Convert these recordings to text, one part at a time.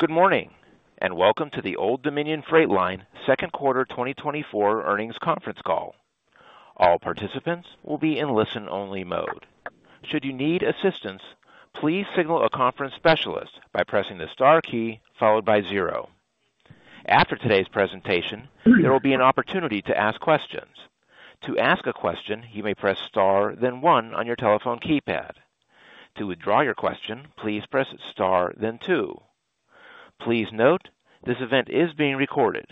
Good morning and welcome to the Old Dominion Freight Line second quarter 2024 earnings conference call. All participants will be in listen-only mode. Should you need assistance, please signal a conference specialist by pressing the star key followed by zero. After today's presentation, there will be an opportunity to ask questions. To ask a question, you may press star, then one on your telephone keypad. To withdraw your question, please press star, then two. Please note this event is being recorded.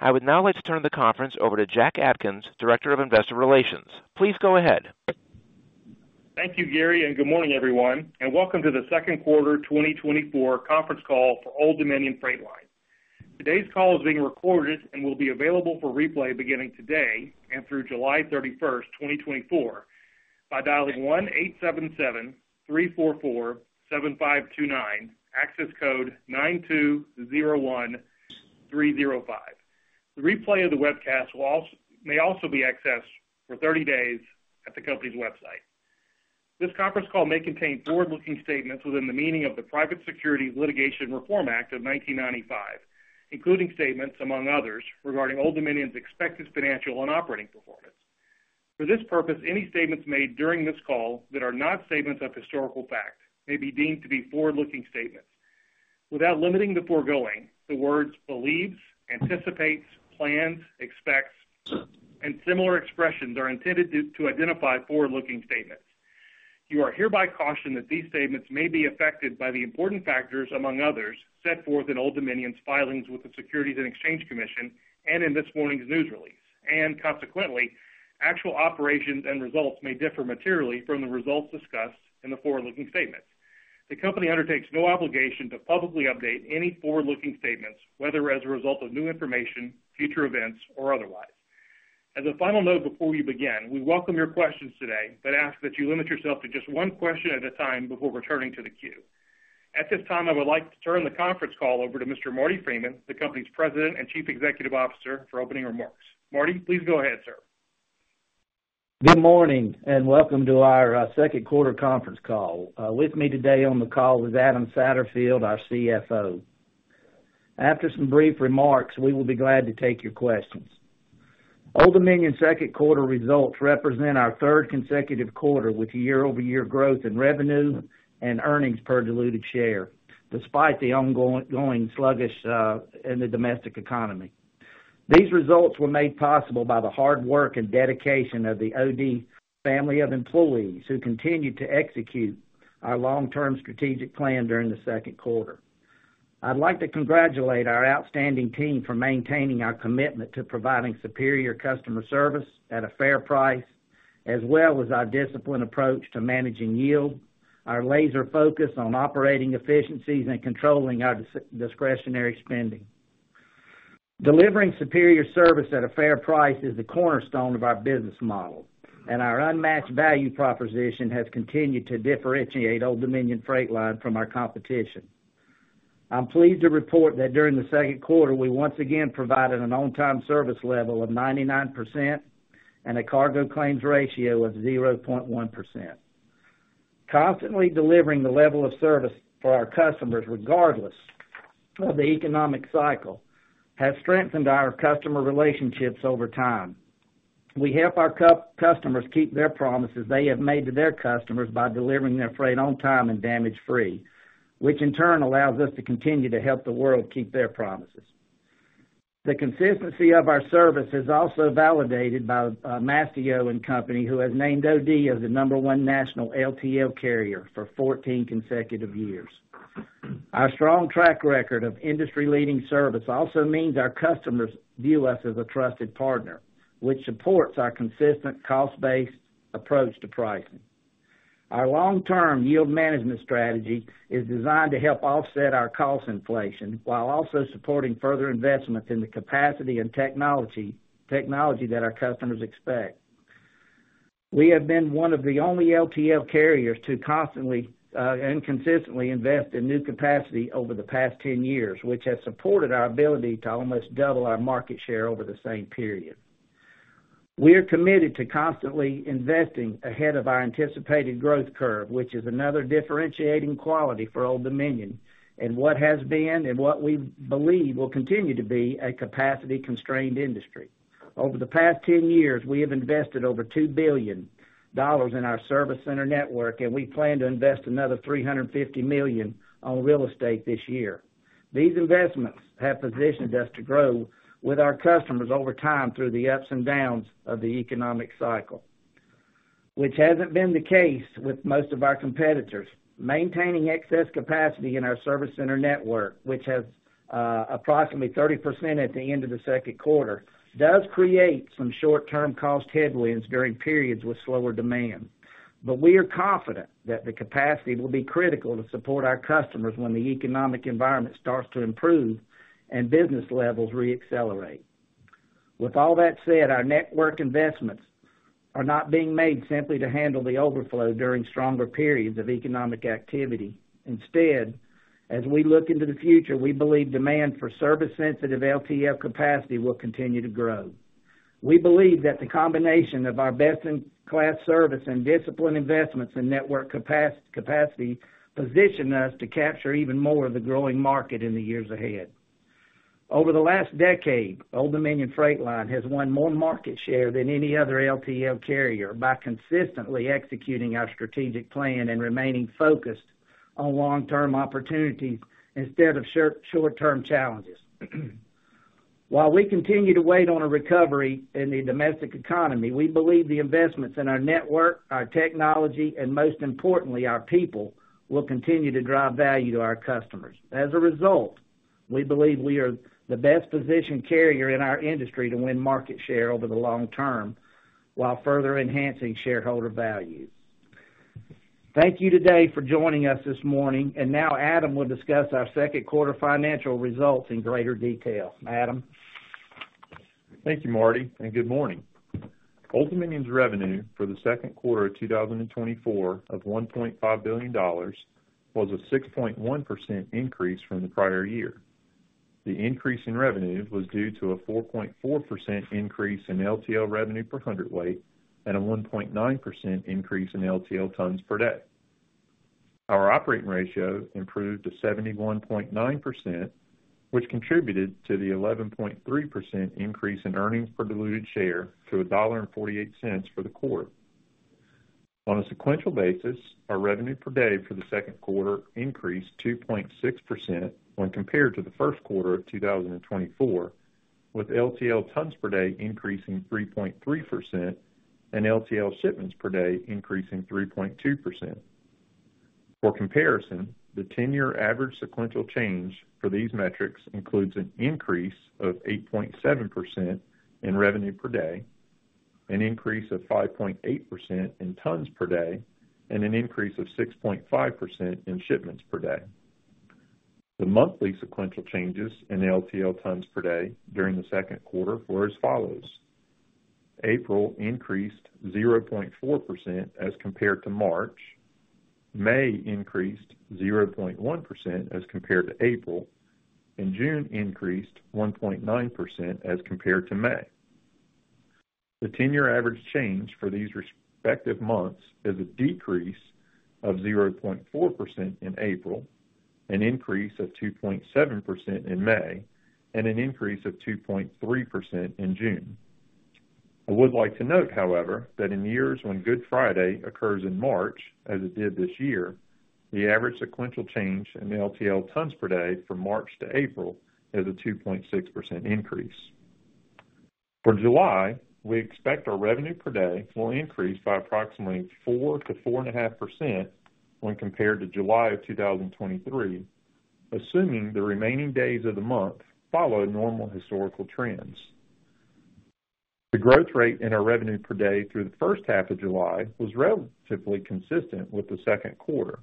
I would now like to turn the conference over to Jack Atkins, Director of Investor Relations. Please go ahead. Thank you, Gary, and good morning, everyone, and welcome to the second quarter 2024 conference call for Old Dominion Freight Line. Today's call is being recorded and will be available for replay beginning today and through July 31st, 2024, by dialing 1-877-344-7529, access code 9201305. The replay of the webcast may also be accessed for 30 days at the company's website. This conference call may contain forward-looking statements within the meaning of the Private Securities Litigation Reform Act of 1995, including statements, among others, regarding Old Dominion's expected financial and operating performance. For this purpose, any statements made during this call that are not statements of historical fact may be deemed to be forward-looking statements. Without limiting the foregoing, the words "believes," "anticipates," "plans," "expects," and similar expressions are intended to identify forward-looking statements. You are hereby cautioned that these statements may be affected by the important factors, among others, set forth in Old Dominion's filings with the Securities and Exchange Commission and in this morning's news release, and consequently, actual operations and results may differ materially from the results discussed in the forward-looking statements. The company undertakes no obligation to publicly update any forward-looking statements, whether as a result of new information, future events, or otherwise. As a final note before we begin, we welcome your questions today but ask that you limit yourself to just one question at a time before returning to the queue. At this time, I would like to turn the conference call over to Mr. Marty Freeman, the company's President and Chief Executive Officer, for opening remarks. Marty, please go ahead, sir. Good morning and welcome to our second quarter conference call. With me today on the call is Adam Satterfield, our CFO. After some brief remarks, we will be glad to take your questions. Old Dominion's second quarter results represent our third consecutive quarter with year-over-year growth in revenue and earnings per diluted share, despite the ongoing sluggishness in the domestic economy. These results were made possible by the hard work and dedication of the OD family of employees who continued to execute our long-term strategic plan during the second quarter. I'd like to congratulate our outstanding team for maintaining our commitment to providing superior customer service at a fair price, as well as our disciplined approach to managing yield, our laser focus on operating efficiencies, and controlling our discretionary spending. Delivering superior service at a fair price is the cornerstone of our business model, and our unmatched value proposition has continued to differentiate Old Dominion Freight Line from our competition. I'm pleased to report that during the second quarter, we once again provided an on-time service level of 99% and a cargo claims ratio of 0.1%. Constantly delivering the level of service for our customers, regardless of the economic cycle, has strengthened our customer relationships over time. We help our customers keep their promises they have made to their customers by delivering their freight on time and damage-free, which in turn allows us to continue to help the world keep their promises. The consistency of our service is also validated by Mastio & Company, who has named OD as the number one national LTL carrier for 14 consecutive years. Our strong track record of industry-leading service also means our customers view us as a trusted partner, which supports our consistent cost-based approach to pricing. Our long-term yield management strategy is designed to help offset our cost inflation while also supporting further investments in the capacity and technology that our customers expect. We have been one of the only LTL carriers to constantly and consistently invest in new capacity over the past 10 years, which has supported our ability to almost double our market share over the same period. We are committed to constantly investing ahead of our anticipated growth curve, which is another differentiating quality for Old Dominion and what has been and what we believe will continue to be a capacity-constrained industry. Over the past 10 years, we have invested over $2 billion in our service center network, and we plan to invest another $350 million on real estate this year. These investments have positioned us to grow with our customers over time through the ups and downs of the economic cycle, which hasn't been the case with most of our competitors. Maintaining excess capacity in our service center network, which has approximately 30% at the end of the second quarter, does create some short-term cost headwinds during periods with slower demand. But we are confident that the capacity will be critical to support our customers when the economic environment starts to improve and business levels re-accelerate. With all that said, our network investments are not being made simply to handle the overflow during stronger periods of economic activity. Instead, as we look into the future, we believe demand for service-sensitive LTL capacity will continue to grow. We believe that the combination of our best-in-class service and disciplined investments in network capacity positions us to capture even more of the growing market in the years ahead. Over the last decade, Old Dominion Freight Line has won more market share than any other LTL carrier by consistently executing our strategic plan and remaining focused on long-term opportunities instead of short-term challenges. While we continue to wait on a recovery in the domestic economy, we believe the investments in our network, our technology, and most importantly, our people will continue to drive value to our customers. As a result, we believe we are the best-positioned carrier in our industry to win market share over the long term while further enhancing shareholder value. Thank you today for joining us this morning. Now Adam will discuss our second quarter financial results in greater detail. Adam. Thank you, Marty, and good morning. Old Dominion's revenue for the second quarter of 2024 of $1.5 billion was a 6.1% increase from the prior year. The increase in revenue was due to a 4.4% increase in LTL revenue per hundredweight and a 1.9% increase in LTL tons per day. Our operating ratio improved to 71.9%, which contributed to the 11.3% increase in earnings per diluted share to $1.48 for the quarter. On a sequential basis, our revenue per day for the second quarter increased 2.6% when compared to the first quarter of 2024, with LTL tons per day increasing 3.3% and LTL shipments per day increasing 3.2%. For comparison, the 10-year average sequential change for these metrics includes an increase of 8.7% in revenue per day, an increase of 5.8% in tons per day, and an increase of 6.5% in shipments per day. The monthly sequential changes in LTL tons per day during the second quarter were as follows: April increased 0.4% as compared to March, May increased 0.1% as compared to April, and June increased 1.9% as compared to May. The 10-year average change for these respective months is a decrease of 0.4% in April, an increase of 2.7% in May, and an increase of 2.3% in June. I would like to note, however, that in years when Good Friday occurs in March, as it did this year, the average sequential change in LTL tons per day from March to April is a 2.6% increase. For July, we expect our revenue per day will increase by approximately 4%-4.5% when compared to July of 2023, assuming the remaining days of the month follow normal historical trends. The growth rate in our revenue per day through the first half of July was relatively consistent with the second quarter.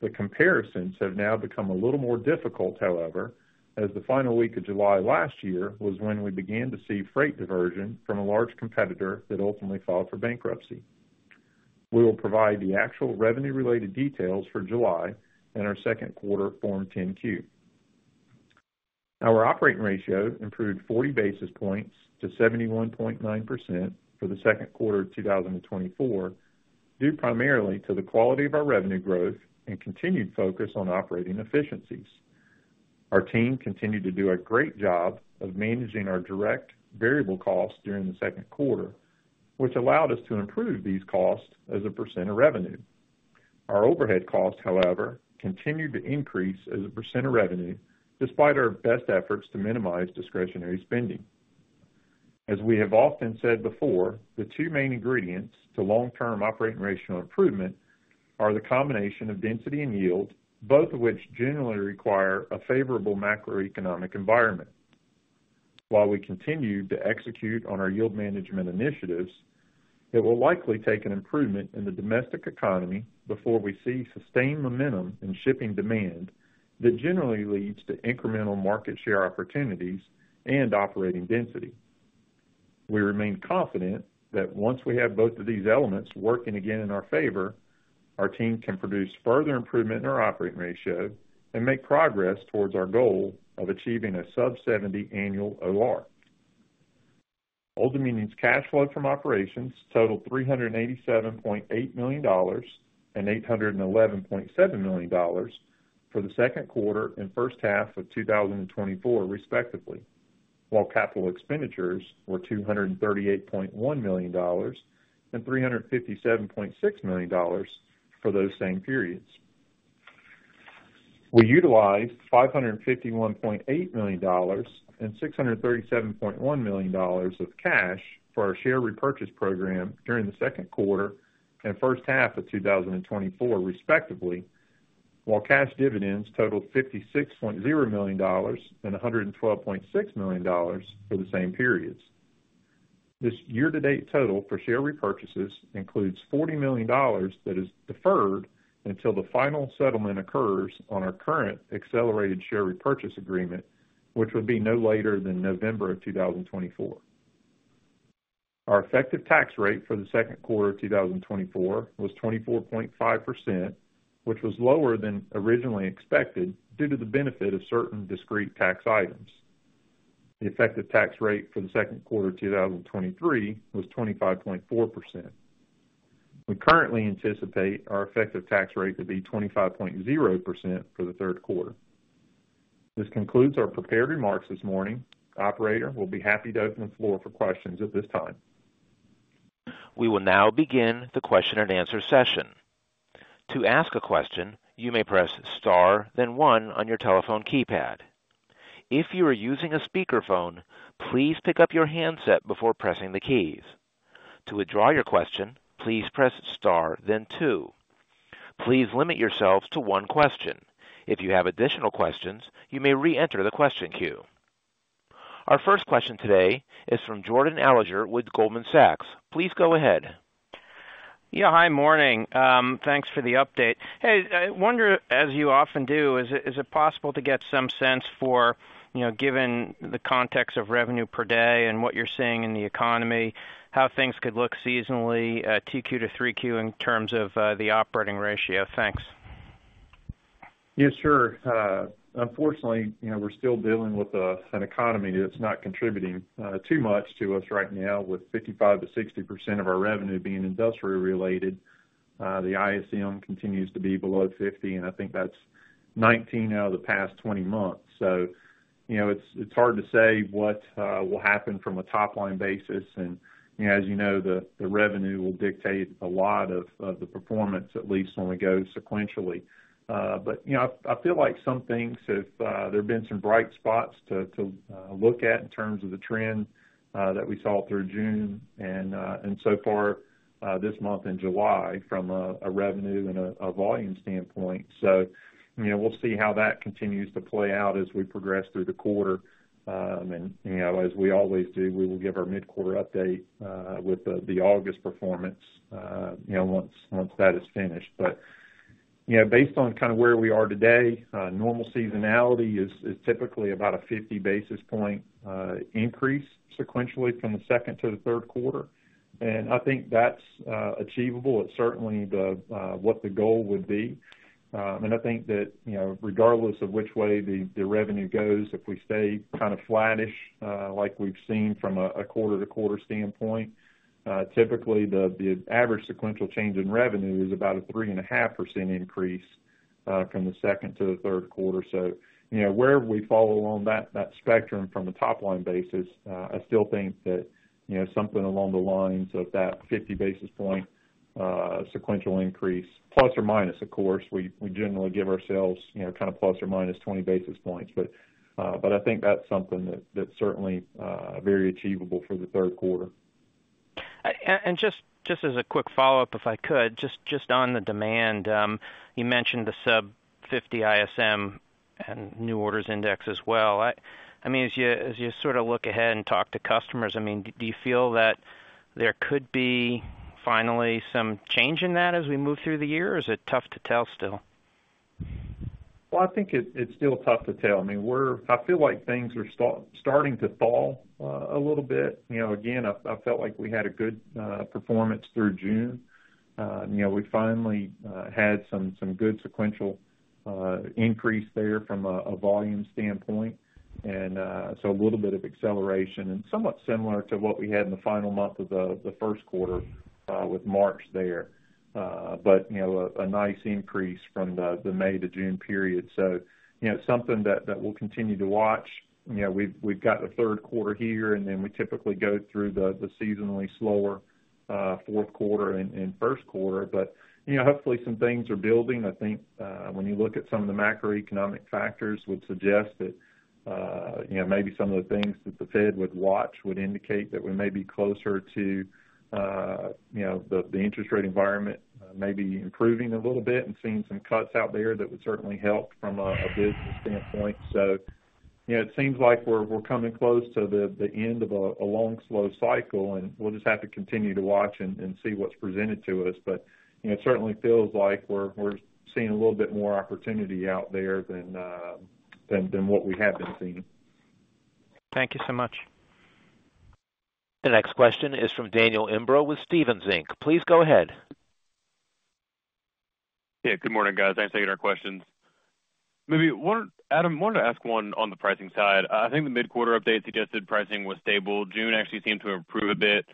The comparisons have now become a little more difficult, however, as the final week of July last year was when we began to see freight diversion from a large competitor that ultimately filed for bankruptcy. We will provide the actual revenue-related details for July in our second quarter Form 10-Q. Our operating ratio improved 40 basis points to 71.9% for the second quarter of 2024 due primarily to the quality of our revenue growth and continued focus on operating efficiencies. Our team continued to do a great job of managing our direct variable costs during the second quarter, which allowed us to improve these costs as a % of revenue. Our overhead costs, however, continued to increase as a % of revenue despite our best efforts to minimize discretionary spending. As we have often said before, the two main ingredients to long-term Operating Ratio improvement are the combination of density and yield, both of which generally require a favorable macroeconomic environment. While we continue to execute on our Yield Management initiatives, it will likely take an improvement in the domestic economy before we see sustained momentum in shipping demand that generally leads to incremental market share opportunities and operating density. We remain confident that once we have both of these elements working again in our favor, our team can produce further improvement in our Operating Ratio and make progress towards our goal of achieving a sub-70 annual OR. Old Dominion's cash flow from operations totaled $387.8 million and $811.7 million for the second quarter and first half of 2024, respectively, while capital expenditures were $238.1 million and $357.6 million for those same periods. We utilized $551.8 million and $637.1 million of cash for our share repurchase program during the second quarter and first half of 2024, respectively, while cash dividends totaled $56.0 million and $112.6 million for the same periods. This year-to-date total for share repurchases includes $40 million that is deferred until the final settlement occurs on our current accelerated share repurchase agreement, which would be no later than November of 2024. Our effective tax rate for the second quarter of 2024 was 24.5%, which was lower than originally expected due to the benefit of certain discrete tax items. The effective tax rate for the second quarter of 2023 was 25.4%. We currently anticipate our effective tax rate to be 25.0% for the third quarter. This concludes our prepared remarks this morning. Operator, we'll be happy to open the floor for questions at this time. We will now begin the question and answer session. To ask a question, you may press star, then one on your telephone keypad. If you are using a speakerphone, please pick up your handset before pressing the keys. To withdraw your question, please press star, then two. Please limit yourselves to one question. If you have additional questions, you may re-enter the question queue. Our first question today is from Jordan Alliger, with Goldman Sachs. Please go ahead. Yeah, hi. Morning. Thanks for the update. Hey, I wonder, as you often do, is it possible to get some sense for, given the context of revenue per day and what you're seeing in the economy, how things could look seasonally 2Q to 3Q in terms of the operating ratio? Thanks. Yes, sure. Unfortunately, we're still dealing with an economy that's not contributing too much to us right now, with 55%-60% of our revenue being industrial related. The ISM continues to be below 50, and I think that's 19 out of the past 20 months. So it's hard to say what will happen from a top-line basis. And as you know, the revenue will dictate a lot of the performance, at least when we go sequentially. But I feel like some things, there have been some bright spots to look at in terms of the trend that we saw through June and so far this month in July from a revenue and a volume standpoint. So we'll see how that continues to play out as we progress through the quarter. And as we always do, we will give our mid-quarter update with the August performance once that is finished. But based on kind of where we are today, normal seasonality is typically about a 50 basis point increase sequentially from the second to the third quarter. And I think that's achievable. It's certainly what the goal would be. And I think that regardless of which way the revenue goes, if we stay kind of flattish like we've seen from a quarter-to-quarter standpoint, typically the average sequential change in revenue is about a 3.5% increase from the second to the third quarter. So where we fall along that spectrum from a top-line basis, I still think that something along the lines of that 50 basis point sequential increase, plus or minus, of course, we generally give ourselves kind of plus or minus 20 basis points. But I think that's something that's certainly very achievable for the third quarter. Just as a quick follow-up, if I could, just on the demand, you mentioned the sub-50 ISM and new orders index as well. I mean, as you sort of look ahead and talk to customers, I mean, do you feel that there could be finally some change in that as we move through the year? Or is it tough to tell still? Well, I think it's still tough to tell. I mean, I feel like things are starting to fall a little bit. Again, I felt like we had a good performance through June. We finally had some good sequential increase there from a volume standpoint. And so a little bit of acceleration and somewhat similar to what we had in the final month of the first quarter with March there, but a nice increase from the May to June period. So something that we'll continue to watch. We've got the third quarter here, and then we typically go through the seasonally slower fourth quarter and first quarter. But hopefully some things are building. I think when you look at some of the macroeconomic factors would suggest that maybe some of the things that the Fed would watch would indicate that we may be closer to the interest rate environment, maybe improving a little bit and seeing some cuts out there that would certainly help from a business standpoint. So it seems like we're coming close to the end of a long, slow cycle, and we'll just have to continue to watch and see what's presented to us. But it certainly feels like we're seeing a little bit more opportunity out there than what we have been seeing. Thank you so much. The next question is from Daniel Imbro with Stephens Inc. Please go ahead. Yeah, good morning, guys. Thanks for taking our questions. Maybe, Adam, I wanted to ask one on the pricing side. I think the mid-quarter update suggested pricing was stable. June actually seemed to improve a bit.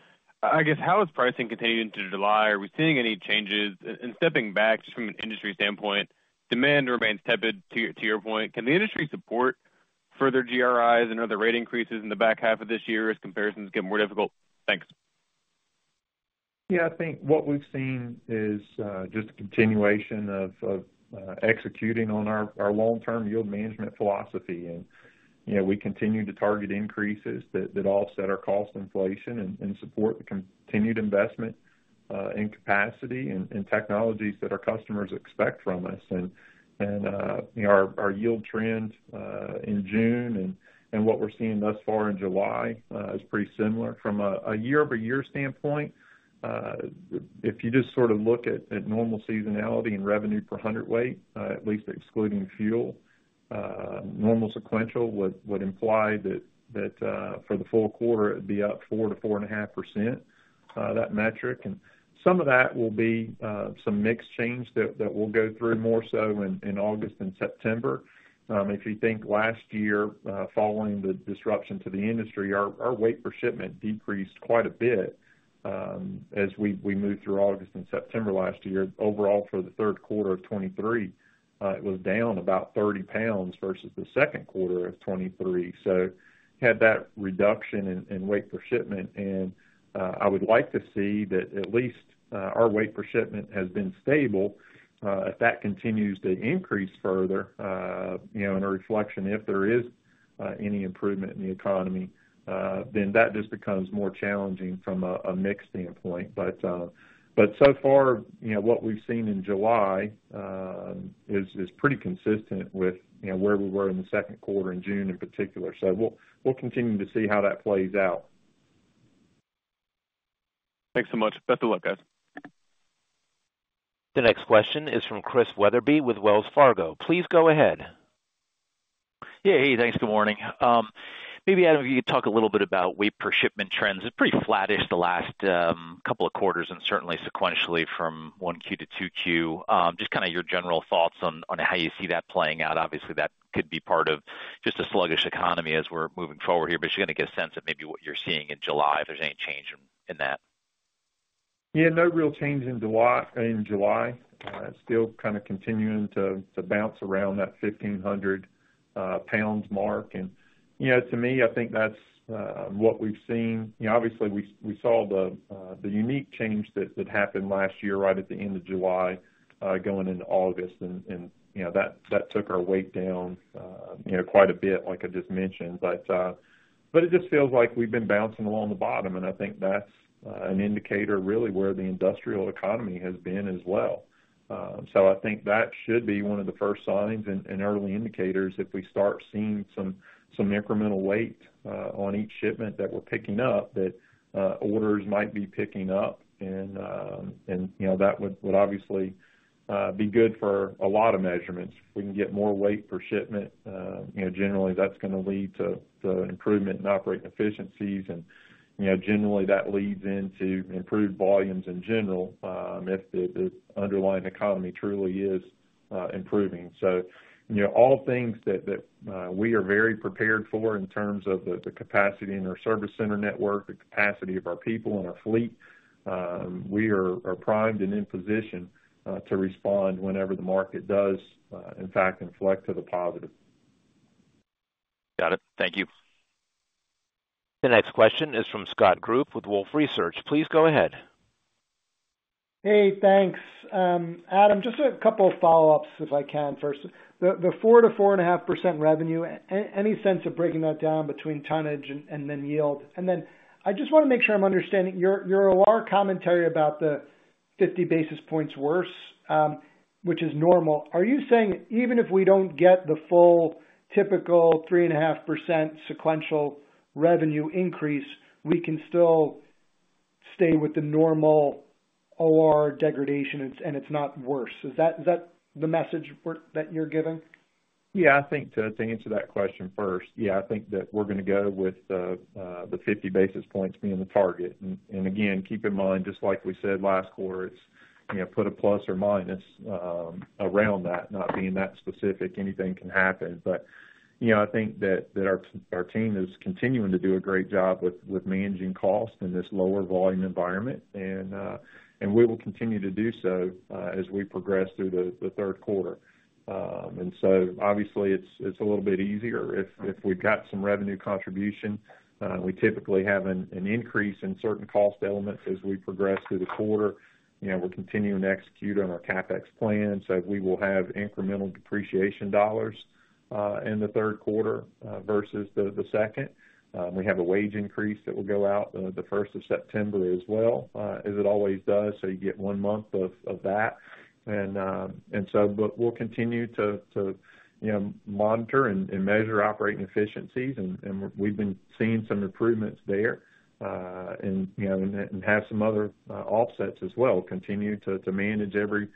I guess, how is pricing continuing to July? Are we seeing any changes? And stepping back just from an industry standpoint, demand remains tepid, to your point. Can the industry support further GRIs and other rate increases in the back half of this year as comparisons get more difficult? Thanks. Yeah, I think what we've seen is just a continuation of executing on our long-term yield management philosophy. And we continue to target increases that offset our cost inflation and support the continued investment in capacity and technologies that our customers expect from us. And our yield trend in June and what we're seeing thus far in July is pretty similar. From a year-over-year standpoint, if you just sort of look at normal seasonality and revenue per hundredweight, at least excluding fuel, normal sequential would imply that for the full quarter, it'd be up 4%-4.5%, that metric. And some of that will be some mixed change that will go through more so in August and September. If you think last year, following the disruption to the industry, our weight per shipment decreased quite a bit as we moved through August and September last year. Overall, for the third quarter of 2023, it was down about 30 pounds versus the second quarter of 2023. So had that reduction in weight per shipment. And I would like to see that at least our weight per shipment has been stable. If that continues to increase further in a reflection, if there is any improvement in the economy, then that just becomes more challenging from a mixed standpoint. But so far, what we've seen in July is pretty consistent with where we were in the second quarter in June in particular. So we'll continue to see how that plays out. Thanks so much. Best of luck, guys. The next question is from Chris Wetherbee with Wells Fargo. Please go ahead. Yeah, hey, thanks. Good morning. Maybe, Adam, if you could talk a little bit about weight per shipment trends. It's pretty flattish the last couple of quarters and certainly sequentially from 1Q to 2Q. Just kind of your general thoughts on how you see that playing out. Obviously, that could be part of just a sluggish economy as we're moving forward here. But you're going to get a sense of maybe what you're seeing in July, if there's any change in that. Yeah, no real change in July. Still kind of continuing to bounce around that 1,500 lbs mark. To me, I think that's what we've seen. Obviously, we saw the unique change that happened last year right at the end of July going into August. That took our weight down quite a bit, like I just mentioned. But it just feels like we've been bouncing along the bottom. I think that's an indicator really where the industrial economy has been as well. That should be one of the first signs and early indicators if we start seeing some incremental weight on each shipment that we're picking up, that orders might be picking up. That would obviously be good for a lot of measurements. If we can get more weight per shipment, generally, that's going to lead to improvement in operating efficiencies. Generally, that leads into improved volumes in general if the underlying economy truly is improving. All things that we are very prepared for in terms of the capacity in our service center network, the capacity of our people and our fleet, we are primed and in position to respond whenever the market does, in fact, inflect to the positive. Got it. Thank you. The next question is from Scott Group with Wolfe Research. Please go ahead. Hey, thanks. Adam, just a couple of follow-ups if I can. First, the 4%-4.5% revenue, any sense of breaking that down between tonnage and then yield? And then I just want to make sure I'm understanding your OR commentary about the 50 basis points worse, which is normal. Are you saying even if we don't get the full typical 3.5% sequential revenue increase, we can still stay with the normal OR degradation and it's not worse? Is that the message that you're giving? Yeah, I think so. To answer that question first, yeah, I think that we're going to go with the 50 basis points being the target. And again, keep in mind, just like we said last quarter, it's put a plus or minus around that. Not being that specific, anything can happen. But I think that our team is continuing to do a great job with managing cost in this lower volume environment. And we will continue to do so as we progress through the third quarter. And so obviously, it's a little bit easier if we've got some revenue contribution. We typically have an increase in certain cost elements as we progress through the quarter. We're continuing to execute on our CapEx plan. So we will have incremental depreciation dollars in the third quarter versus the second. We have a wage increase that will go out the 1st of September as well, as it always does. So you get one month of that. And so, but we'll continue to monitor and measure operating efficiencies. And we've been seeing some improvements there and have some other offsets as well. Continue to manage every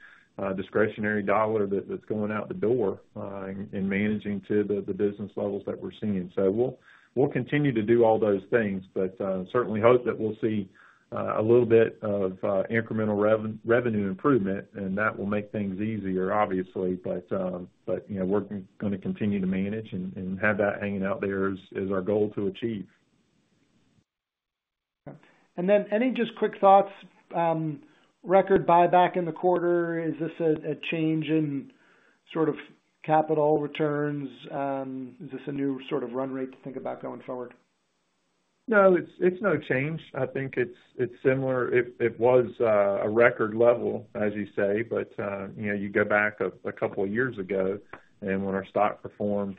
discretionary dollar that's going out the door and managing to the business levels that we're seeing. So we'll continue to do all those things, but certainly hope that we'll see a little bit of incremental revenue improvement. And that will make things easier, obviously. But we're going to continue to manage and have that hanging out there is our goal to achieve. Then any just quick thoughts? Record buyback in the quarter? Is this a change in sort of capital returns? Is this a new sort of run rate to think about going forward? No, it's no change. I think it's similar. It was a record level, as you say. But you go back a couple of years ago and when our stock performed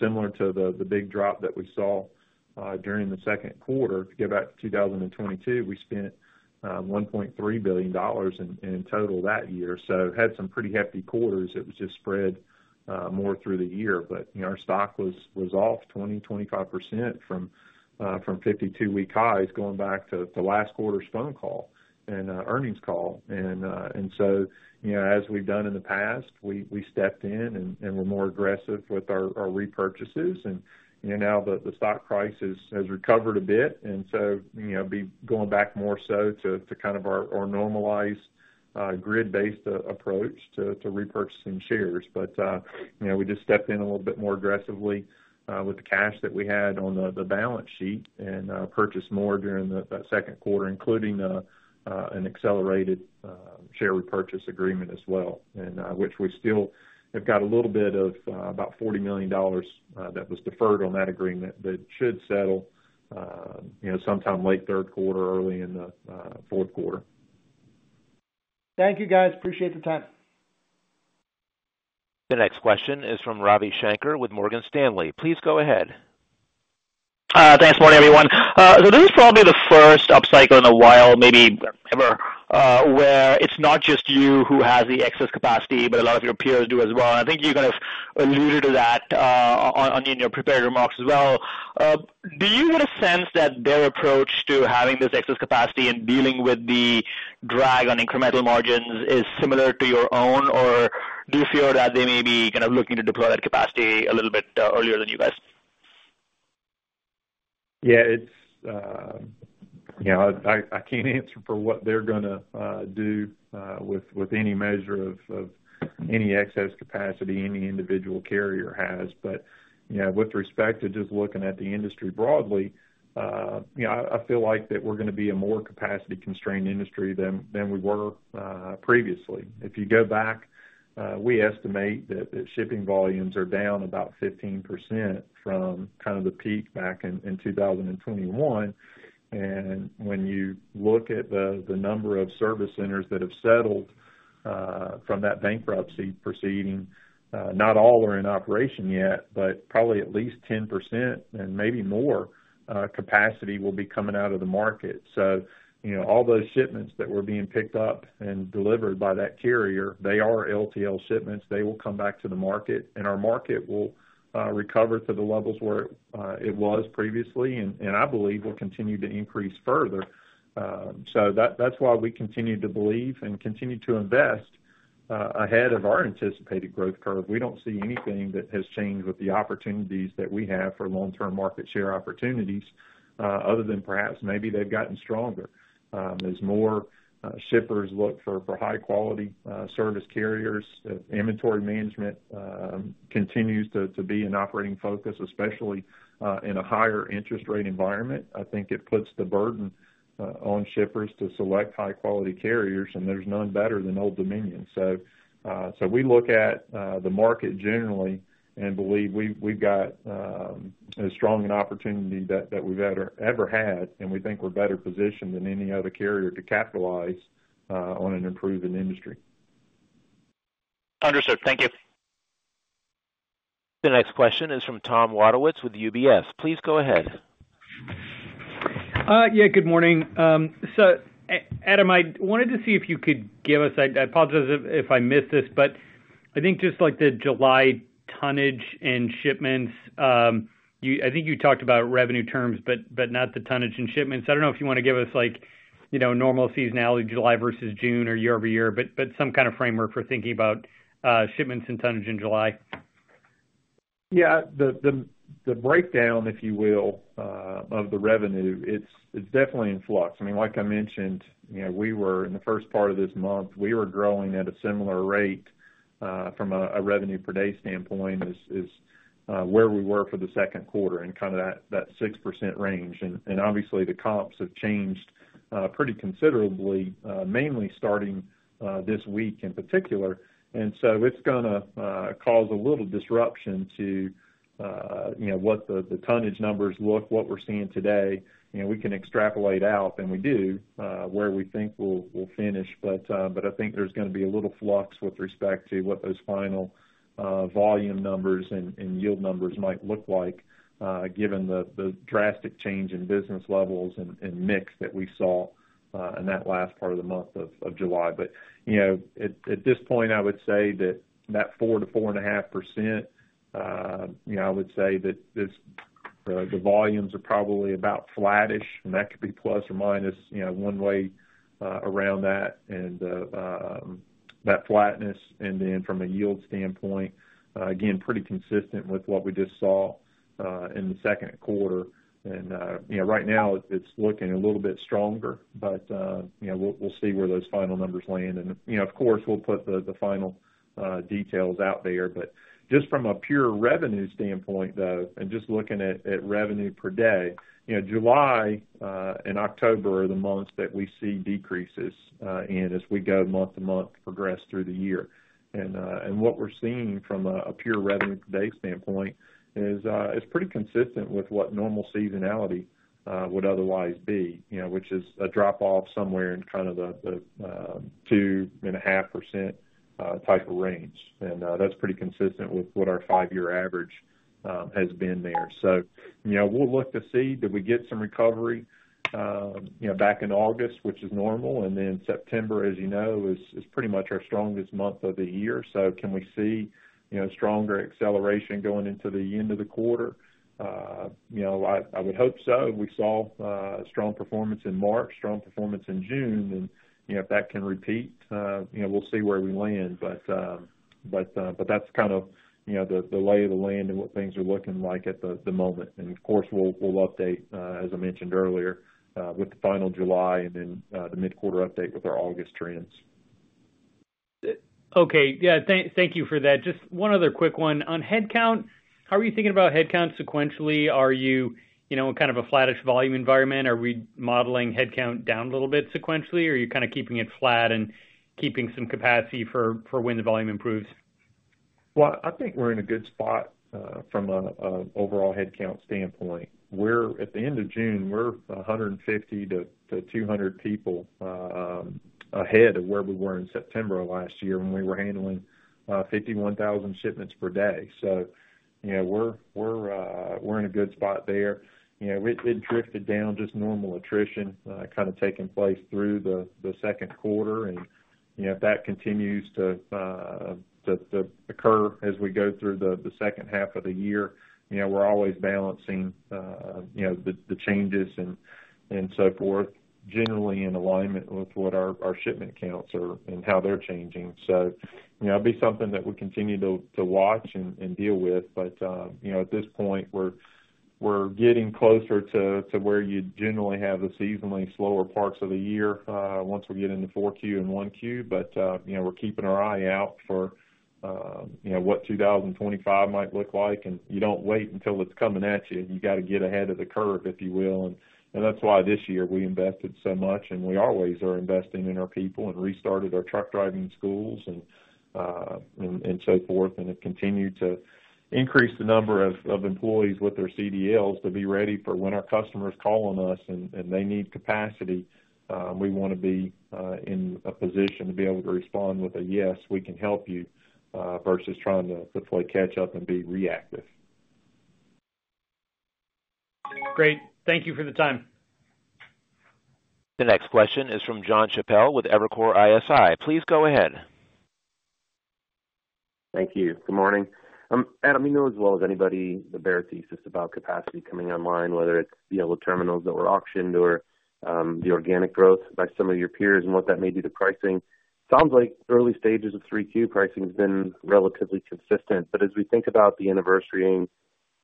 similar to the big drop that we saw during the second quarter, if you go back to 2022, we spent $1.3 billion in total that year. So had some pretty hefty quarters. It was just spread more through the year. But our stock was off 20%-25% from 52-week highs going back to last quarter's phone call and earnings call. And so as we've done in the past, we stepped in and were more aggressive with our repurchases. And now the stock price has recovered a bit. And so going back more so to kind of our normalized grid-based approach to repurchasing shares. We just stepped in a little bit more aggressively with the cash that we had on the balance sheet and purchased more during that second quarter, including an accelerated share repurchase agreement as well, which we still have got a little bit of about $40 million that was deferred on that agreement that should settle sometime late third quarter, early in the fourth quarter. Thank you, guys. Appreciate the time. The next question is from Ravi Shanker with Morgan Stanley. Please go ahead. Thanks, Morgan, everyone. This is probably the first upcycle in a while, maybe ever, where it's not just you who has the excess capacity, but a lot of your peers do as well. I think you kind of alluded to that in your prepared remarks as well. Do you get a sense that their approach to having this excess capacity and dealing with the drag on incremental margins is similar to your own? Or do you feel that they may be kind of looking to deploy that capacity a little bit earlier than you guys? Yeah, I can't answer for what they're going to do with any measure of any excess capacity any individual carrier has. But with respect to just looking at the industry broadly, I feel like that we're going to be a more capacity-constrained industry than we were previously. If you go back, we estimate that shipping volumes are down about 15% from kind of the peak back in 2021. And when you look at the number of service centers that have settled from that bankruptcy proceeding, not all are in operation yet, but probably at least 10% and maybe more capacity will be coming out of the market. So all those shipments that were being picked up and delivered by that carrier, they are LTL shipments. They will come back to the market. And our market will recover to the levels where it was previously. I believe will continue to increase further. That's why we continue to believe and continue to invest ahead of our anticipated growth curve. We don't see anything that has changed with the opportunities that we have for long-term market share opportunities other than perhaps maybe they've gotten stronger as more shippers look for high-quality service carriers. Inventory management continues to be an operating focus, especially in a higher interest rate environment. I think it puts the burden on shippers to select high-quality carriers. There's none better than Old Dominion. We look at the market generally and believe we've got as strong an opportunity that we've ever had. We think we're better positioned than any other carrier to capitalize on an improving industry. Understood. Thank you. The next question is from Tom Wadewitz with UBS. Please go ahead. Yeah, good morning. So Adam, I wanted to see if you could give us—I apologize if I missed this—but I think just like the July tonnage and shipments, I think you talked about revenue terms, but not the tonnage and shipments. I don't know if you want to give us normal seasonality, July versus June or year-over-year, but some kind of framework for thinking about shipments and tonnage in July. Yeah, the breakdown, if you will, of the revenue, it's definitely in flux. I mean, like I mentioned, we were in the first part of this month, we were growing at a similar rate from a revenue per day standpoint as where we were for the second quarter and kind of that 6% range. Obviously, the comps have changed pretty considerably, mainly starting this week in particular. So it's going to cause a little disruption to what the tonnage numbers look, what we're seeing today. We can extrapolate out, and we do, where we think we'll finish. But I think there's going to be a little flux with respect to what those final volume numbers and yield numbers might look like given the drastic change in business levels and mix that we saw in that last part of the month of July. But at this point, I would say that that 4%-4.5%, I would say that the volumes are probably about flattish. And that could be plus or minus one way around that. And that flatness, and then from a yield standpoint, again, pretty consistent with what we just saw in the second quarter. And right now, it's looking a little bit stronger. But we'll see where those final numbers land. And of course, we'll put the final details out there. But just from a pure revenue standpoint, though, and just looking at revenue per day, July and October are the months that we see decreases in as we go month-to-month progress through the year. What we're seeing from a pure revenue per day standpoint is pretty consistent with what normal seasonality would otherwise be, which is a drop-off somewhere in kind of the 2.5% type of range. That's pretty consistent with what our five-year average has been there. We'll look to see if we get some recovery back in August, which is normal. Then September, as you know, is pretty much our strongest month of the year. Can we see stronger acceleration going into the end of the quarter? I would hope so. We saw strong performance in March, strong performance in June. If that can repeat, we'll see where we land. That's kind of the lay of the land and what things are looking like at the moment. Of course, we'll update, as I mentioned earlier, with the final July and then the mid-quarter update with our August trends. Okay. Yeah, thank you for that. Just one other quick one. On headcount, how are you thinking about headcount sequentially? Are you in kind of a flattish volume environment? Are we modeling headcount down a little bit sequentially? Or are you kind of keeping it flat and keeping some capacity for when the volume improves? Well, I think we're in a good spot from an overall headcount standpoint. At the end of June, we're 150-200 people ahead of where we were in September of last year when we were handling 51,000 shipments per day. So we're in a good spot there. It drifted down just normal attrition kind of taking place through the second quarter. And if that continues to occur as we go through the second half of the year, we're always balancing the changes and so forth, generally in alignment with what our shipment counts are and how they're changing. So it'll be something that we continue to watch and deal with. But at this point, we're getting closer to where you generally have the seasonally slower parts of the year once we get into 4Q and 1Q. But we're keeping our eye out for what 2025 might look like. You don't wait until it's coming at you. You got to get ahead of the curve, if you will. That's why this year we invested so much. We always are investing in our people and restarted our truck driving schools and so forth. And have continued to increase the number of employees with their CDLs to be ready for when our customers call on us and they need capacity. We want to be in a position to be able to respond with a, "Yes, we can help you," versus trying to play catch-up and be reactive. Great. Thank you for the time. The next question is from Jon Chappell with Evercore ISI. Please go ahead. Thank you. Good morning. Adam, you know as well as anybody the bare thesis about capacity coming online, whether it's the terminals that were auctioned or the organic growth by some of your peers and what that may do to pricing. Sounds like early stages of 3Q pricing have been relatively consistent. But as we think about the anniversary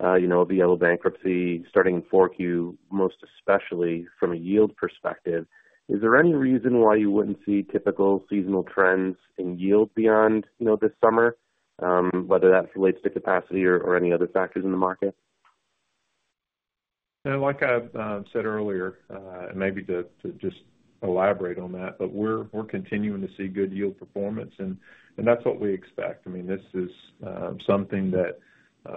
of the Yellow bankruptcy starting in 4Q, most especially from a yield perspective, is there any reason why you wouldn't see typical seasonal trends in yield beyond this summer, whether that relates to capacity or any other factors in the market? Like I said earlier, and maybe to just elaborate on that, but we're continuing to see good yield performance. That's what we expect. I mean, this is something that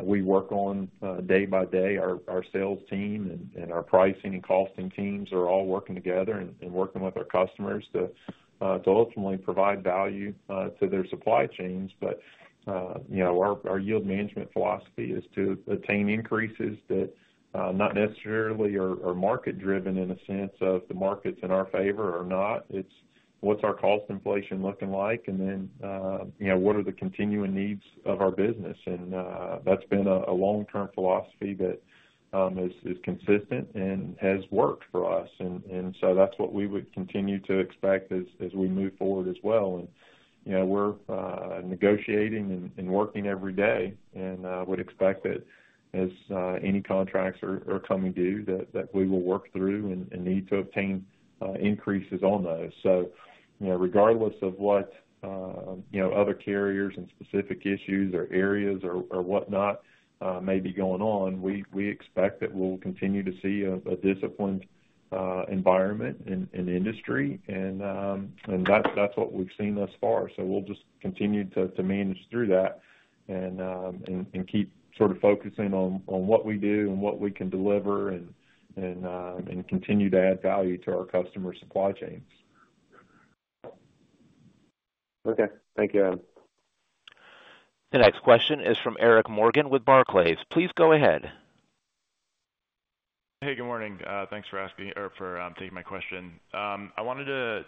we work on day by day. Our sales team and our pricing and costing teams are all working together and working with our customers to ultimately provide value to their supply chains. But our yield management philosophy is to attain increases that not necessarily are market-driven in the sense of the market's in our favor or not. It's what's our cost inflation looking like? Then what are the continuing needs of our business? That's been a long-term philosophy that is consistent and has worked for us. So that's what we would continue to expect as we move forward as well. We're negotiating and working every day. And I would expect that as any contracts are coming due, that we will work through and need to obtain increases on those. So regardless of what other carriers and specific issues or areas or whatnot may be going on, we expect that we'll continue to see a disciplined environment and industry. And that's what we've seen thus far. So we'll just continue to manage through that and keep sort of focusing on what we do and what we can deliver and continue to add value to our customer supply chains. Okay. Thank you, Adam. The next question is from Eric Morgan with Barclays. Please go ahead. Hey, good morning. Thanks for asking or for taking my question. I wanted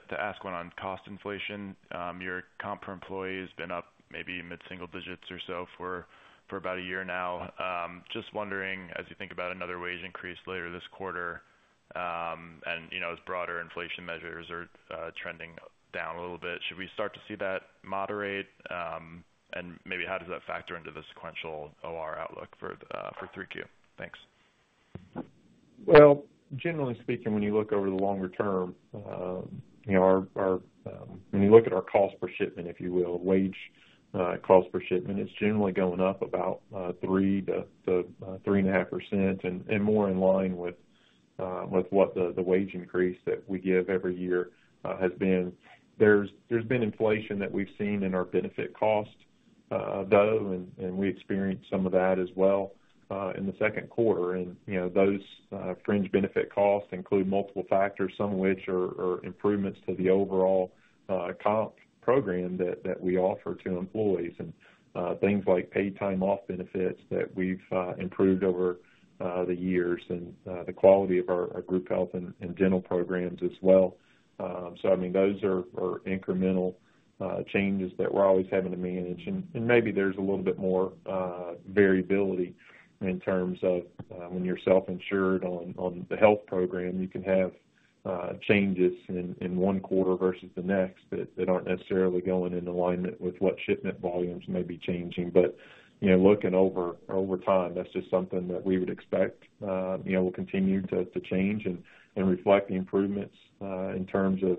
to ask one on cost inflation. Your comp for employees has been up maybe mid-single digits or so for about a year now. Just wondering, as you think about another wage increase later this quarter and as broader inflation measures are trending down a little bit, should we start to see that moderate? And maybe how does that factor into the sequential OR outlook for 3Q? Thanks. Well, generally speaking, when you look over the longer term, when you look at our cost per shipment, if you will, wage cost per shipment, it's generally going up about 3%-3.5% and more in line with what the wage increase that we give every year has been. There's been inflation that we've seen in our benefit cost, though. And we experienced some of that as well in the second quarter. And those fringe benefit costs include multiple factors, some of which are improvements to the overall comp program that we offer to employees and things like paid time-off benefits that we've improved over the years and the quality of our group health and dental programs as well. So I mean, those are incremental changes that we're always having to manage. Maybe there's a little bit more variability in terms of when you're self-insured on the health program, you can have changes in one quarter versus the next that aren't necessarily going in alignment with what shipment volumes may be changing. But looking over time, that's just something that we would expect will continue to change and reflect the improvements in terms of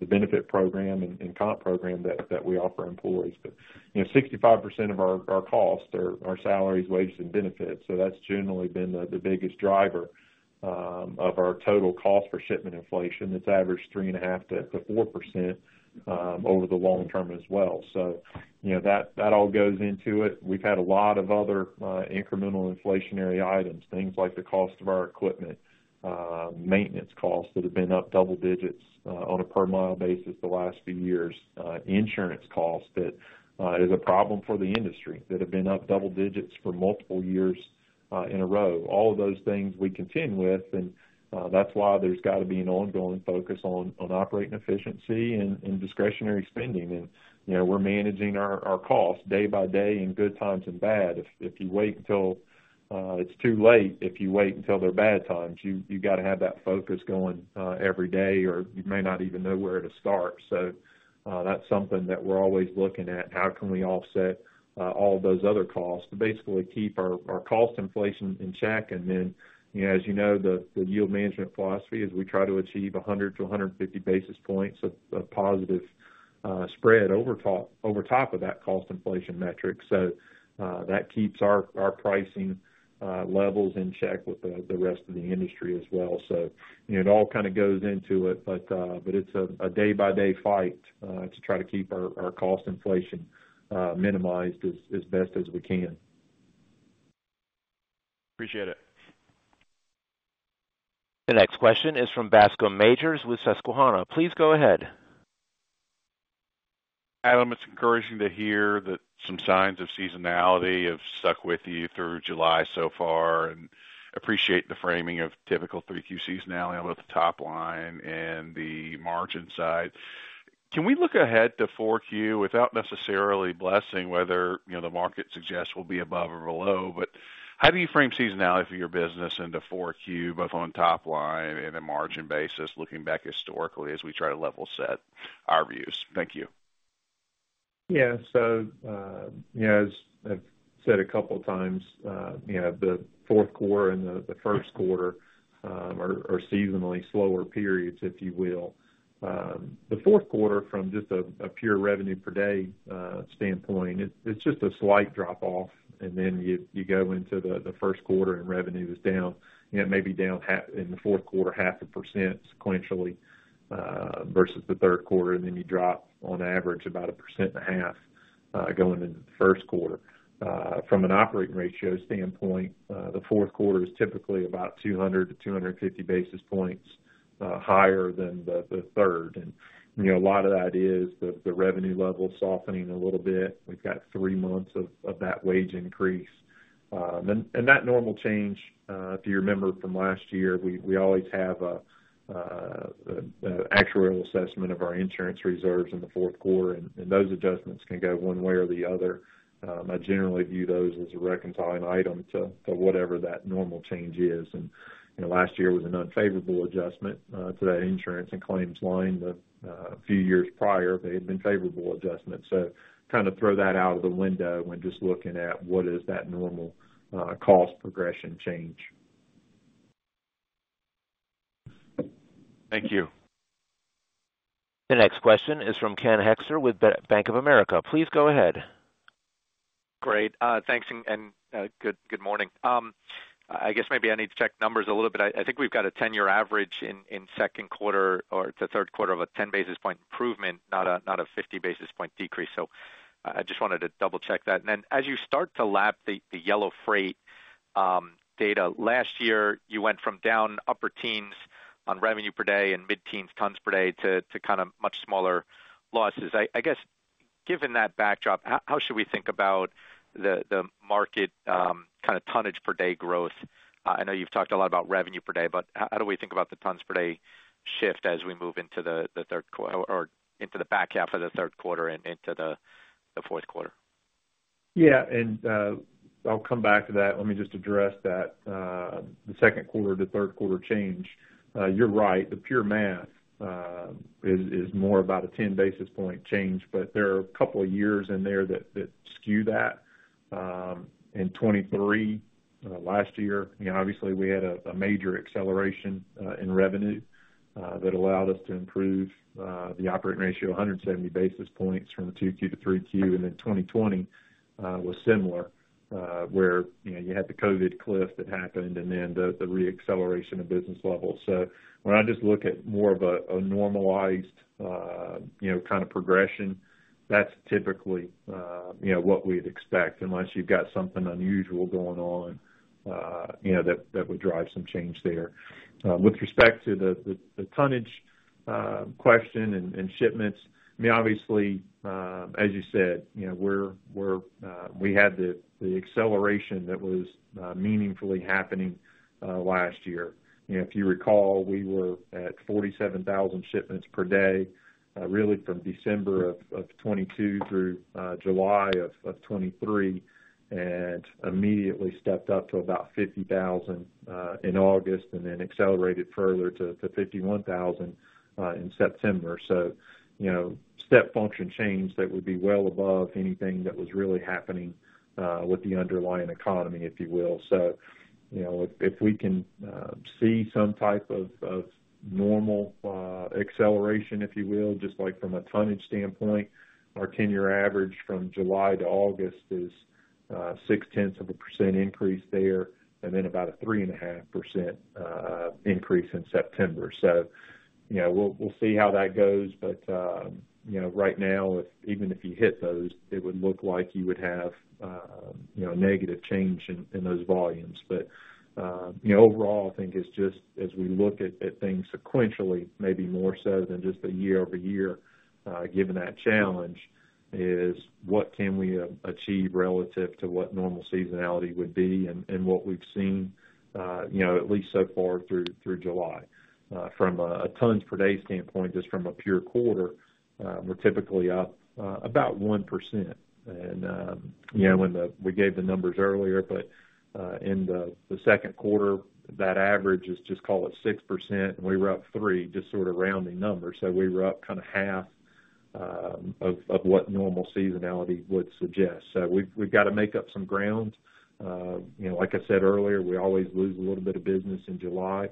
the benefit program and comp program that we offer employees. But 65% of our costs are our salaries, wages, and benefits. So that's generally been the biggest driver of our total cost per shipment inflation. It's averaged 3.5%-4% over the long term as well. So that all goes into it. We've had a lot of other incremental inflationary items, things like the cost of our equipment, maintenance costs that have been up double digits on a per-mile basis the last few years, insurance costs that is a problem for the industry that have been up double digits for multiple years in a row. All of those things we continue with. That's why there's got to be an ongoing focus on operating efficiency and discretionary spending. We're managing our costs day by day in good times and bad. If you wait until it's too late, if you wait until their bad times, you got to have that focus going every day or you may not even know where to start. So that's something that we're always looking at. How can we offset all those other costs to basically keep our cost inflation in check? And then, as you know, the yield management philosophy is we try to achieve 100-150 basis points of positive spread over top of that cost inflation metric. So that keeps our pricing levels in check with the rest of the industry as well. So it all kind of goes into it. But it's a day-by-day fight to try to keep our cost inflation minimized as best as we can. Appreciate it. The next question is from Bascome Majors with Susquehanna. Please go ahead. Adam, it's encouraging to hear that some signs of seasonality have stuck with you through July so far. And appreciate the framing of typical 3Q seasonality on both the top line and the margin side. Can we look ahead to 4Q without necessarily blessing whether the market suggests we'll be above or below? But how do you frame seasonality for your business into 4Q, both on top line and a margin basis, looking back historically as we try to level set our views? Thank you. Yeah. So as I've said a couple of times, the fourth quarter and the first quarter are seasonally slower periods, if you will. The fourth quarter, from just a pure revenue per day standpoint, it's just a slight drop-off. And then you go into the first quarter and revenue is down. It may be down in the fourth quarter 0.5% sequentially versus the third quarter. And then you drop on average about 1.5% going into the first quarter. From an operating ratio standpoint, the fourth quarter is typically about 200-250 basis points higher than the third. And a lot of that is the revenue level softening a little bit. We've got three months of that wage increase. And that normal change, if you remember from last year, we always have an actuarial assessment of our insurance reserves in the fourth quarter. Those adjustments can go one way or the other. I generally view those as a reconciling item to whatever that normal change is. Last year was an unfavorable adjustment to that insurance and claims line. A few years prior, they had been favorable adjustments. Kind of throw that out of the window when just looking at what is that normal cost progression change. Thank you. The next question is from Ken Hoexter with Bank of America. Please go ahead. Great. Thanks. And good morning. I guess maybe I need to check numbers a little bit. I think we've got a 10-year average in second quarter or the third quarter of a 10 basis point improvement, not a 50 basis point decrease. So I just wanted to double-check that. And then as you start to lap the Yellow Freight data, last year, you went from down upper teens on revenue per day and mid-teens tons per day to kind of much smaller losses. I guess, given that backdrop, how should we think about the market kind of tonnage per day growth? I know you've talked a lot about revenue per day, but how do we think about the tons per day shift as we move into the third quarter or into the back half of the third quarter and into the fourth quarter? Yeah. I'll come back to that. Let me just address that. The second quarter to third quarter change, you're right. The pure math is more about a 10 basis point change. But there are a couple of years in there that skew that. In 2023, last year, obviously, we had a major acceleration in revenue that allowed us to improve the operating ratio 170 basis points from 2Q to 3Q. And then 2020 was similar where you had the COVID cliff that happened and then the re-acceleration of business levels. So when I just look at more of a normalized kind of progression, that's typically what we'd expect unless you've got something unusual going on that would drive some change there. With respect to the tonnage question and shipments, I mean, obviously, as you said, we had the acceleration that was meaningfully happening last year. If you recall, we were at 47,000 shipments per day really from December of 2022 through July of 2023 and immediately stepped up to about 50,000 in August and then accelerated further to 51,000 in September. So step function change that would be well above anything that was really happening with the underlying economy, if you will. So if we can see some type of normal acceleration, if you will, just like from a tonnage standpoint, our 10-year average from July to August is 0.6% increase there and then about a 3.5% increase in September. So we'll see how that goes. But right now, even if you hit those, it would look like you would have a negative change in those volumes. But overall, I think it's just as we look at things sequentially, maybe more so than just a year-over-year, given that challenge is what can we achieve relative to what normal seasonality would be and what we've seen at least so far through July. From a tons per day standpoint, just from a pure quarter, we're typically up about 1%. And we gave the numbers earlier, but in the second quarter, that average is just call it 6%. And we were up 3%, just sort of rounding numbers. So we've got to make up some ground. Like I said earlier, we always lose a little bit of business in July.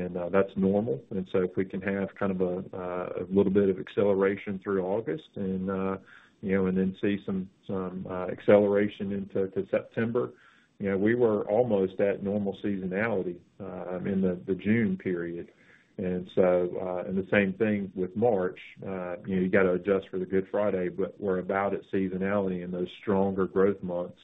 And that's normal. And so if we can have kind of a little bit of acceleration through August and then see some acceleration into September, we were almost at normal seasonality in the June period. And so the same thing with March. You got to adjust for the Good Friday, but we're about at seasonality in those stronger growth months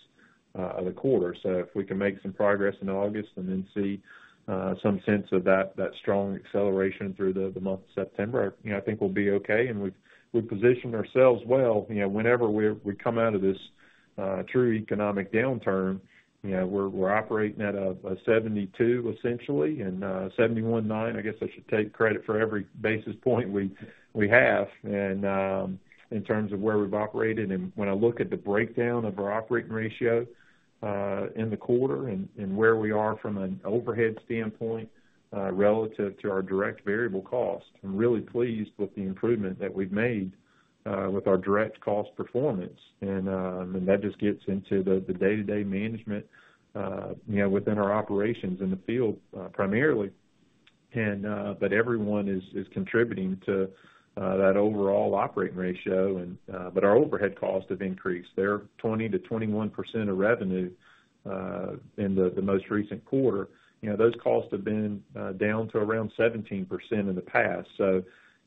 of the quarter. So if we can make some progress in August and then see some sense of that strong acceleration through the month of September, I think we'll be okay. And we've positioned ourselves well. Whenever we come out of this true economic downturn, we're operating at a 72 essentially and 71.9. I guess I should take credit for every basis point we have in terms of where we've operated. When I look at the breakdown of our operating ratio in the quarter and where we are from an overhead standpoint relative to our direct variable cost, I'm really pleased with the improvement that we've made with our direct cost performance. That just gets into the day-to-day management within our operations in the field primarily. Everyone is contributing to that overall operating ratio. Our overhead costs have increased. They're 20%-21% of revenue in the most recent quarter. Those costs have been down to around 17% in the past.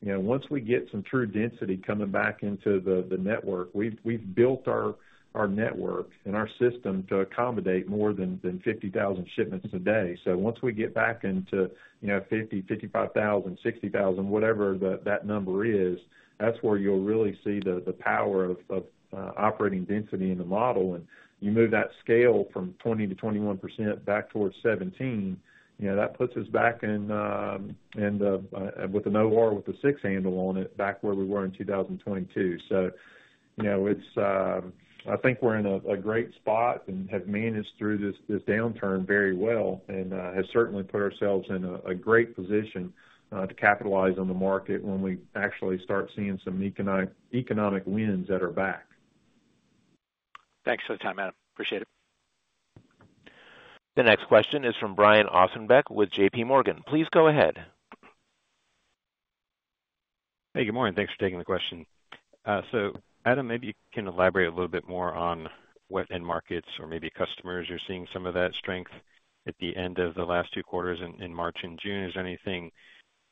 Once we get some true density coming back into the network, we've built our network and our system to accommodate more than 50,000 shipments a day. Once we get back into 50,000, 55,000, 60,000, whatever that number is, that's where you'll really see the power of operating density in the model. And you move that scale from 20%-21% back towards 17%, that puts us back with an OR with a six handle on it back where we were in 2022. So I think we're in a great spot and have managed through this downturn very well and have certainly put ourselves in a great position to capitalize on the market when we actually start seeing some economic wins that are back. Thanks for the time, Adam. Appreciate it. The next question is from Brian Ossenbeck with JP Morgan. Please go ahead. Hey, good morning. Thanks for taking the question. So Adam, maybe you can elaborate a little bit more on what end markets or maybe customers are seeing some of that strength at the end of the last two quarters in March and June. Is there anything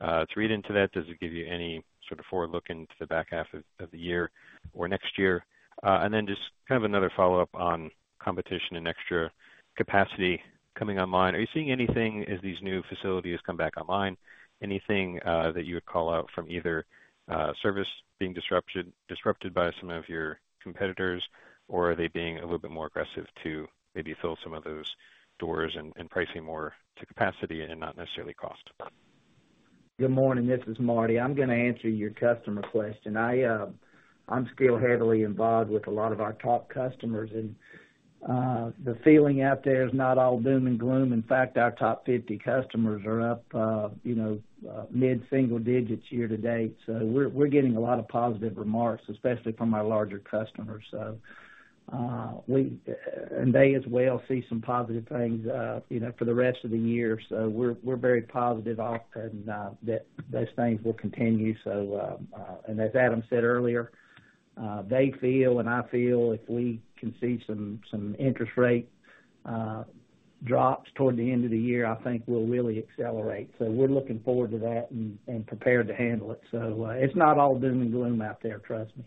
to read into that? Does it give you any sort of forward look into the back half of the year or next year? And then just kind of another follow-up on competition and extra capacity coming online. Are you seeing anything as these new facilities come back online? Anything that you would call out from either service being disrupted by some of your competitors, or are they being a little bit more aggressive to maybe fill some of those doors and pricing more to capacity and not necessarily cost? Good morning. This is Marty. I'm going to answer your customer question. I'm still heavily involved with a lot of our top customers. And the feeling out there is not all doom and gloom. In fact, our top 50 customers are up mid-single digits year to date. So we're getting a lot of positive remarks, especially from our larger customers. And they as well see some positive things for the rest of the year. So we're very positive and that those things will continue. And as Adam said earlier, they feel and I feel if we can see some interest rate drops toward the end of the year, I think we'll really accelerate. So we're looking forward to that and prepared to handle it. So it's not all doom and gloom out there, trust me.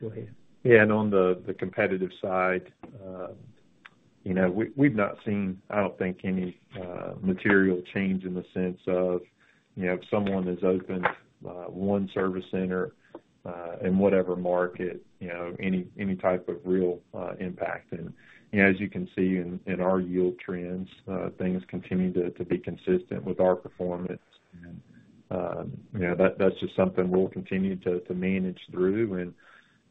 Go ahead. Yeah. And on the competitive side, we've not seen, I don't think, any material change in the sense of someone has opened one service center in whatever market, any type of real impact. And as you can see in our yield trends, things continue to be consistent with our performance. And that's just something we'll continue to manage through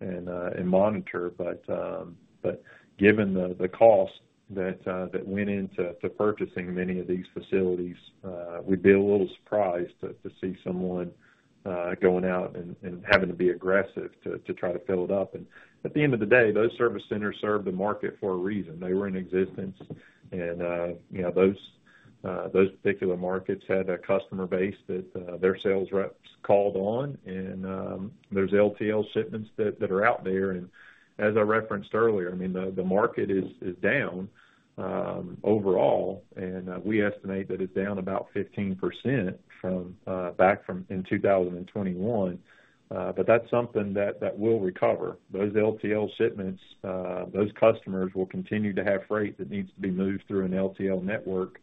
and monitor. But given the cost that went into purchasing many of these facilities, we'd be a little surprised to see someone going out and having to be aggressive to try to fill it up. And at the end of the day, those service centers served the market for a reason. They were in existence. And those particular markets had a customer base that their sales reps called on. And there's LTL shipments that are out there. And as I referenced earlier, I mean, the market is down overall. We estimate that it's down about 15% back from in 2021. But that's something that will recover. Those LTL shipments, those customers will continue to have freight that needs to be moved through an LTL network.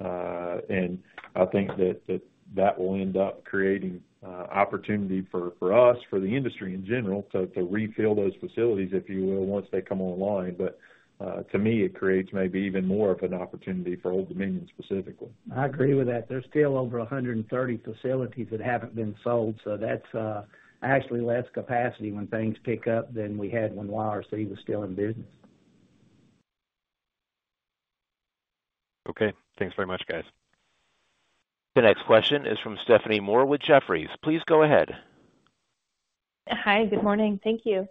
And I think that that will end up creating opportunity for us, for the industry in general, to refill those facilities, if you will, once they come online. But to me, it creates maybe even more of an opportunity for Old Dominion specifically. I agree with that. There's still over 130 facilities that haven't been sold. So that actually lets capacity when things pick up than we had when YRC was still in business. Okay. Thanks very much, guys. The next question is from Stephanie Moore with Jefferies. Please go ahead. Hi. Good morning. Thank you.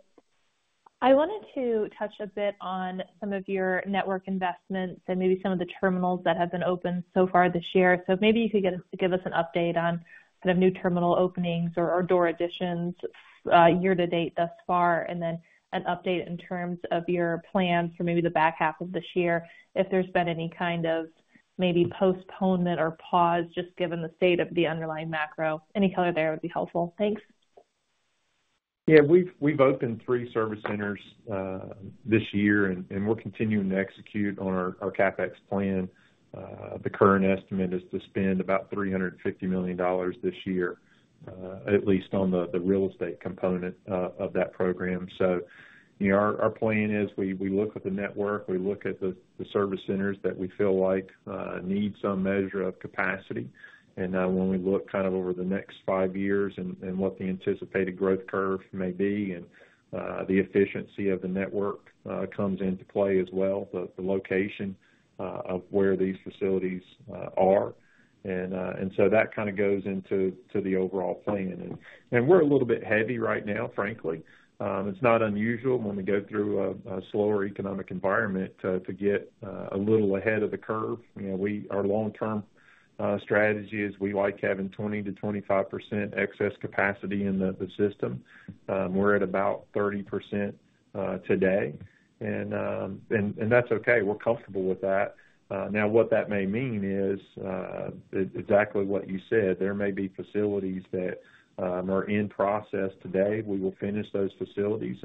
I wanted to touch a bit on some of your network investments and maybe some of the terminals that have been opened so far this year. So maybe you could give us an update on kind of new terminal openings or door additions year to date thus far, and then an update in terms of your plans for maybe the back half of this year, if there's been any kind of maybe postponement or pause just given the state of the underlying macro. Any color there would be helpful. Thanks. Yeah. We've opened 3 service centers this year, and we're continuing to execute on our CapEx plan. The current estimate is to spend about $350 million this year, at least on the real estate component of that program. So our plan is we look at the network. We look at the service centers that we feel like need some measure of capacity. And when we look kind of over the next 5 years and what the anticipated growth curve may be, the efficiency of the network comes into play as well, the location of where these facilities are. And so that kind of goes into the overall plan. And we're a little bit heavy right now, frankly. It's not unusual when we go through a slower economic environment to get a little ahead of the curve. Our long-term strategy is we like having 20%-25% excess capacity in the system. We're at about 30% today. That's okay. We're comfortable with that. Now, what that may mean is exactly what you said. There may be facilities that are in process today. We will finish those facilities.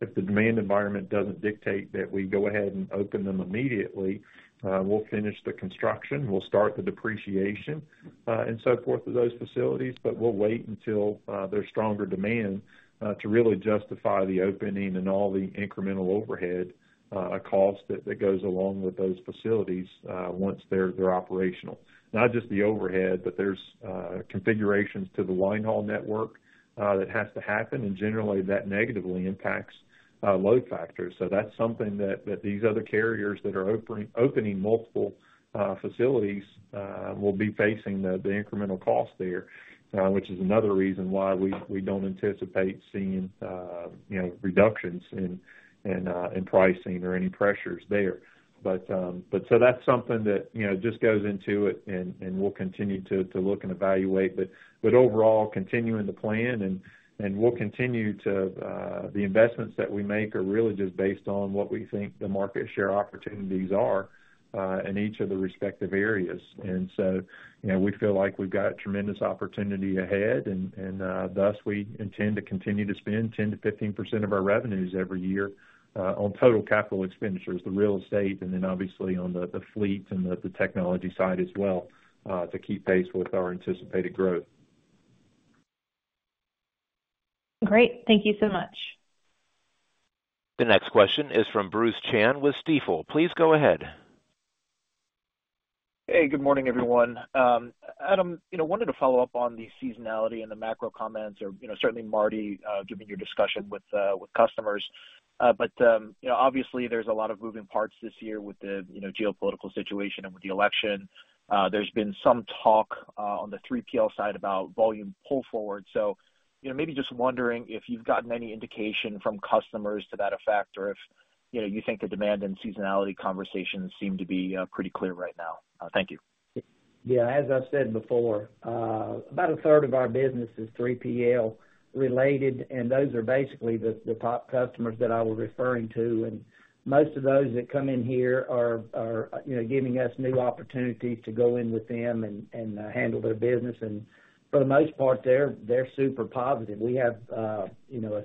If the demand environment doesn't dictate that we go ahead and open them immediately, we'll finish the construction. We'll start the depreciation and so forth of those facilities. But we'll wait until there's stronger demand to really justify the opening and all the incremental overhead costs that goes along with those facilities once they're operational. Not just the overhead, but there's configurations to the linehaul network that has to happen. And generally, that negatively impacts load factors. So that's something that these other carriers that are opening multiple facilities will be facing, the incremental cost there, which is another reason why we don't anticipate seeing reductions in pricing or any pressures there. But so that's something that just goes into it, and we'll continue to look and evaluate. But overall, continuing the plan, and we'll continue to the investments that we make are really just based on what we think the market share opportunities are in each of the respective areas. And so we feel like we've got a tremendous opportunity ahead. And thus, we intend to continue to spend 10%-15% of our revenues every year on total capital expenditures, the real estate, and then obviously on the fleet and the technology side as well to keep pace with our anticipated growth. Great. Thank you so much. The next question is from Bruce Chan with Stifel. Please go ahead. Hey, good morning, everyone. Adam, I wanted to follow up on the seasonality and the macro comments, or certainly Marty, given your discussion with customers. But obviously, there's a lot of moving parts this year with the geopolitical situation and with the election. There's been some talk on the 3PL side about volume pull forward. So maybe just wondering if you've gotten any indication from customers to that effect, or if you think the demand and seasonality conversations seem to be pretty clear right now? Thank you. Yeah. As I've said before, about a third of our business is 3PL related, and those are basically the top customers that I was referring to. Most of those that come in here are giving us new opportunities to go in with them and handle their business. For the most part, they're super positive. We have a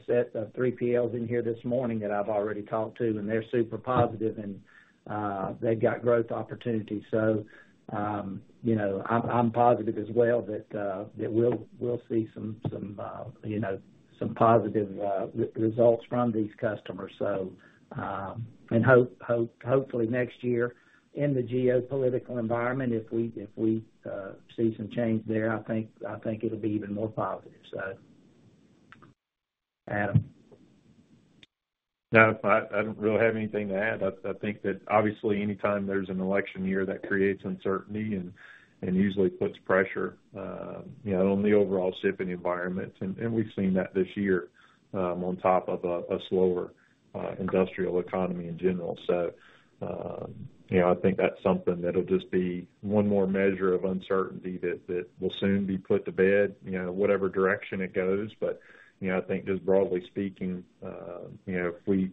set of 3PLs in here this morning that I've already talked to, and they're super positive, and they've got growth opportunities. So I'm positive as well that we'll see some positive results from these customers. Hopefully next year, in the geopolitical environment, if we see some change there, I think it'll be even more positive. So, Adam. No, I don't really have anything to add. I think that obviously anytime there's an election year, that creates uncertainty and usually puts pressure on the overall shipping environment. And we've seen that this year on top of a slower industrial economy in general. So I think that's something that'll just be one more measure of uncertainty that will soon be put to bed, whatever direction it goes. But I think just broadly speaking, if we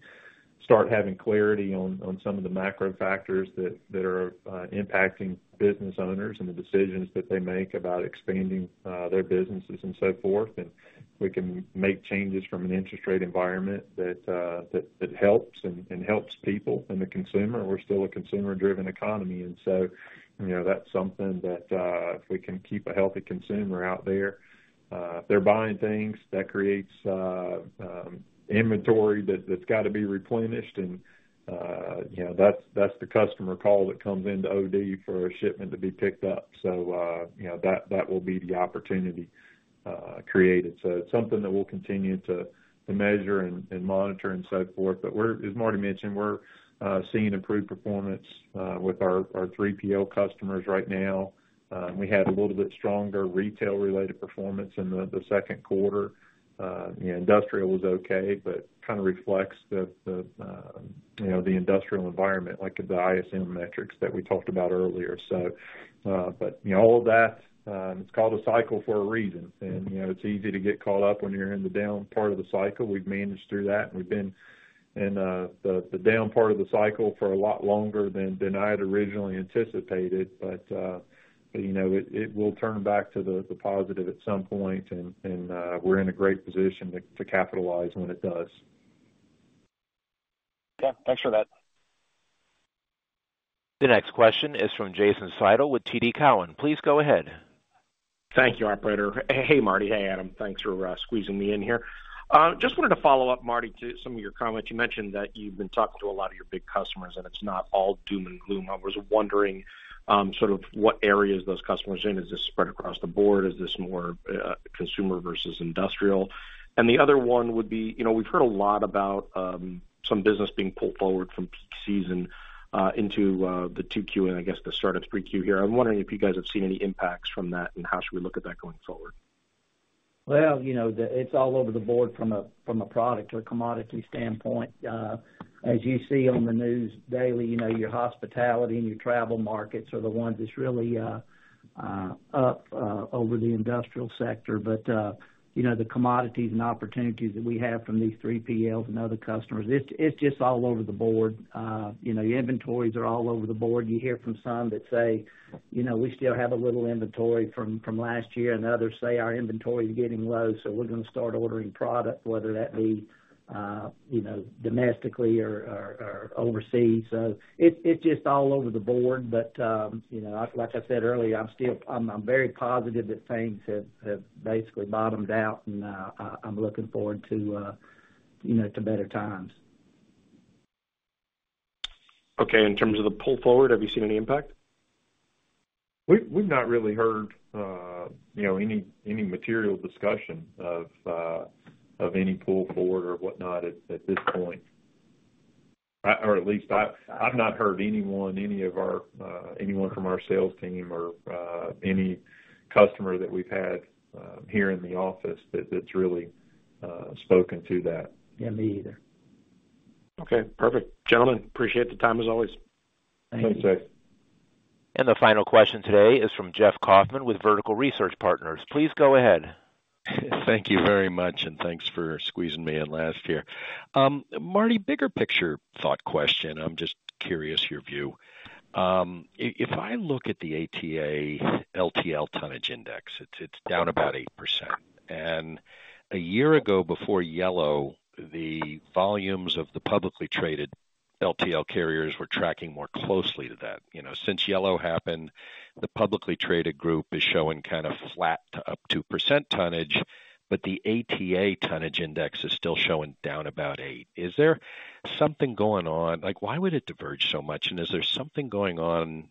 start having clarity on some of the macro factors that are impacting business owners and the decisions that they make about expanding their businesses and so forth, and we can make changes from an interest rate environment that helps and helps people and the consumer. We're still a consumer-driven economy. And so that's something that if we can keep a healthy consumer out there, they're buying things, that creates inventory that's got to be replenished. And that's the customer call that comes into OD for a shipment to be picked up. So that will be the opportunity created. So it's something that we'll continue to measure and monitor and so forth. But as Marty mentioned, we're seeing improved performance with our 3PL customers right now. We had a little bit stronger retail-related performance in the second quarter. Industrial was okay, but kind of reflects the industrial environment, like the ISM metrics that we talked about earlier. But all of that, it's called a cycle for a reason. And it's easy to get caught up when you're in the down part of the cycle. We've managed through that. We've been in the down part of the cycle for a lot longer than I had originally anticipated. But it will turn back to the positive at some point, and we're in a great position to capitalize when it does. Yeah. Thanks for that. The next question is from Jason Seidl with TD Cowen. Please go ahead. Thank you, Operator. Hey, Marty. Hey, Adam. Thanks for squeezing me in here. Just wanted to follow up, Marty, to some of your comments. You mentioned that you've been talking to a lot of your big customers, and it's not all doom and gloom. I was wondering sort of what areas those customers are in. Is this spread across the board? Is this more consumer versus industrial? And the other one would be we've heard a lot about some business being pulled forward from Peak Season into the 2Q, and I guess the start of 3Q here. I'm wondering if you guys have seen any impacts from that, and how should we look at that going forward? Well, it's all over the board from a product or commodity standpoint. As you see on the news daily, your hospitality and your travel markets are the ones that's really up over the industrial sector. But the commodities and opportunities that we have from these 3PLs and other customers, it's just all over the board. The inventories are all over the board. You hear from some that say, "We still have a little inventory from last year," and others say, "Our inventory is getting low, so we're going to start ordering product," whether that be domestically or overseas. So it's just all over the board. But like I said earlier, I'm very positive that things have basically bottomed out, and I'm looking forward to better times. Okay. In terms of the pull forward, have you seen any impact? We've not really heard any material discussion of any pull forward or whatnot at this point. Or at least I've not heard anyone, any of our anyone from our sales team or any customer that we've had here in the office that's really spoken to that. Yeah, me either. Okay. Perfect. Gentlemen, appreciate the time as always. Thank you. Thanks, guys. The final question today is from Jeff Kauffman with Vertical Research Partners. Please go ahead. Thank you very much, and thanks for squeezing me in last here. Marty, bigger picture thought question. I'm just curious your view. If I look at the ATA LTL tonnage index, it's down about 8%. A year ago before Yellow, the volumes of the publicly traded LTL carriers were tracking more closely to that. Since Yellow happened, the publicly traded group is showing kind of flat to up 2% tonnage, but the ATA tonnage index is still showing down about 8%. Is there something going on? Why would it diverge so much? Is there something going on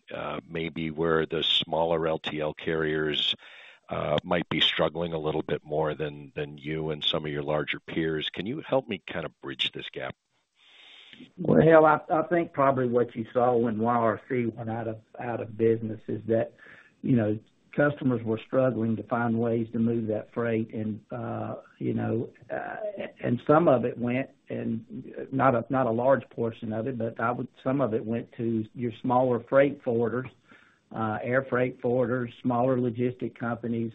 maybe where the smaller LTL carriers might be struggling a little bit more than you and some of your larger peers? Can you help me kind of bridge this gap? Well, I think probably what you saw when YRC went out of business is that customers were struggling to find ways to move that freight. And some of it went, and not a large portion of it, but some of it went to your smaller freight forwarders, air freight forwarders, smaller logistics companies.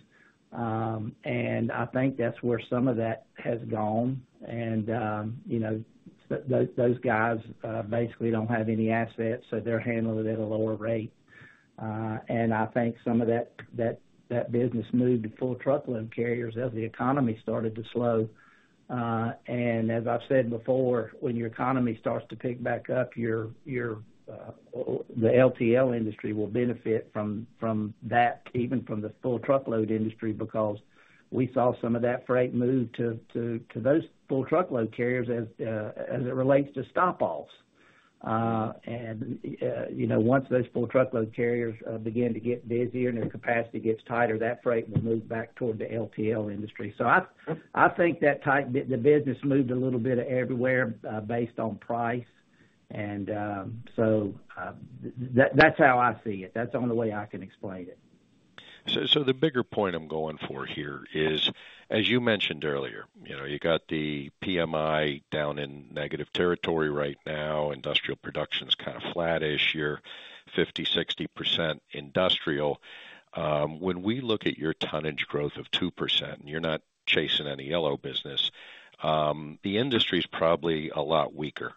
And I think that's where some of that has gone. And those guys basically don't have any assets, so they're handling it at a lower rate. And I think some of that business moved to full truckload carriers as the economy started to slow. And as I've said before, when the economy starts to pick back up, the LTL industry will benefit from that, even from the full truckload industry, because we saw some of that freight move to those full truckload carriers as it relates to stop-offs. Once those full truckload carriers begin to get busier and their capacity gets tighter, that freight will move back toward the LTL industry. So I think that the business moved a little bit everywhere based on price. And so that's how I see it. That's the only way I can explain it. So the bigger point I'm going for here is, as you mentioned earlier, you got the PMI down in negative territory right now. Industrial production is kind of flattish. You're 50%-60% industrial. When we look at your tonnage growth of 2%, and you're not chasing any Yellow business, the industry is probably a lot weaker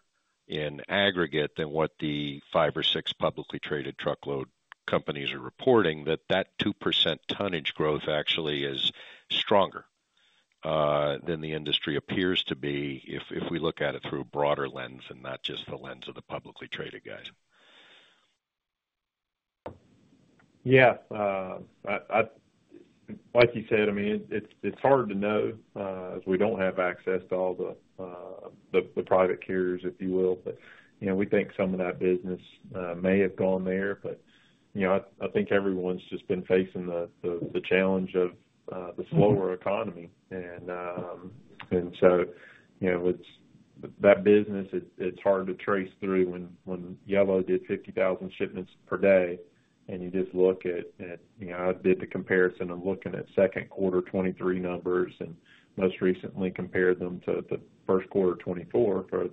in aggregate than what the five or six publicly traded truckload companies are reporting, that that 2% tonnage growth actually is stronger than the industry appears to be if we look at it through a broader lens and not just the lens of the publicly traded guys. Yes. Like you said, I mean, it's hard to know as we don't have access to all the private carriers, if you will. But we think some of that business may have gone there. But I think everyone's just been facing the challenge of the slower economy. And so that business, it's hard to trace through when Yellow did 50,000 shipments per day. And you just look at. I did the comparison. I'm looking at second quarter 2023 numbers and most recently compared them to the first quarter 2024 for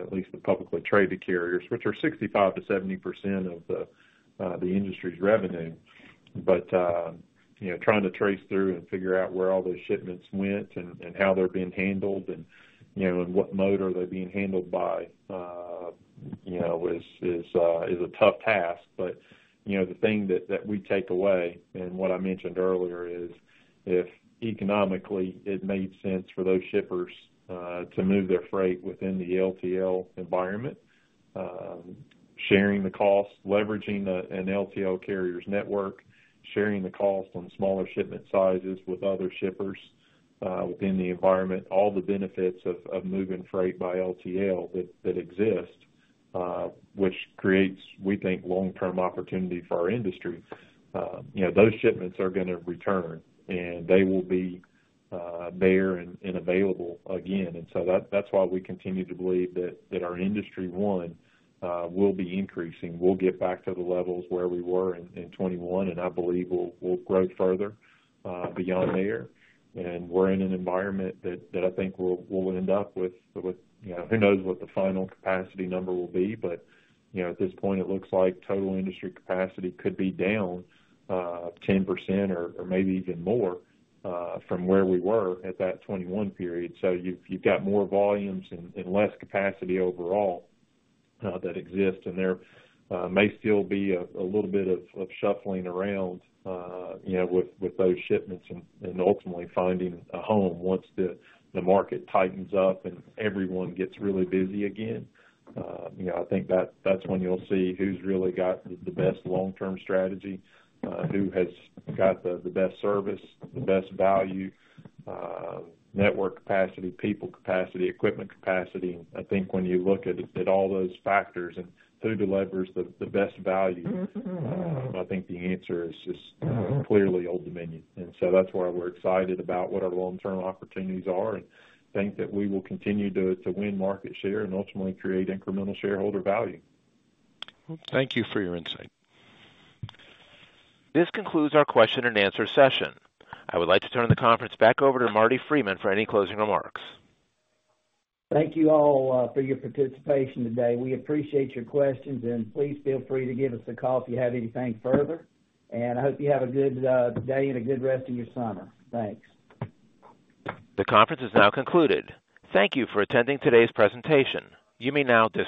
at least the publicly traded carriers, which are 65%-70% of the industry's revenue. But trying to trace through and figure out where all those shipments went and how they're being handled and in what mode are they being handled by is a tough task. But the thing that we take away, and what I mentioned earlier, is if economically it made sense for those shippers to move their freight within the LTL environment, sharing the cost, leveraging an LTL carrier's network, sharing the cost on smaller shipment sizes with other shippers within the environment, all the benefits of moving freight by LTL that exist, which creates, we think, long-term opportunity for our industry, those shipments are going to return, and they will be there and available again. And so that's why we continue to believe that our industry, one, will be increasing. We'll get back to the levels where we were in 2021, and I believe we'll grow further beyond there. And we're in an environment that I think we'll end up with. Who knows what the final capacity number will be? At this point, it looks like total industry capacity could be down 10% or maybe even more from where we were at that 2021 period. So you've got more volumes and less capacity overall that exist. And there may still be a little bit of shuffling around with those shipments and ultimately finding a home once the market tightens up and everyone gets really busy again. I think that's when you'll see who's really got the best long-term strategy, who has got the best service, the best value, network capacity, people capacity, equipment capacity. And I think when you look at all those factors and who delivers the best value, I think the answer is just clearly Old Dominion. And so that's why we're excited about what our long-term opportunities are and think that we will continue to win market share and ultimately create incremental shareholder value. Thank you for your insight. This concludes our question and answer session. I would like to turn the conference back over to Marty Freeman for any closing remarks. Thank you all for your participation today. We appreciate your questions, and please feel free to give us a call if you have anything further. I hope you have a good day and a good rest of your summer. Thanks. The conference is now concluded. Thank you for attending today's presentation. You may now disconnect.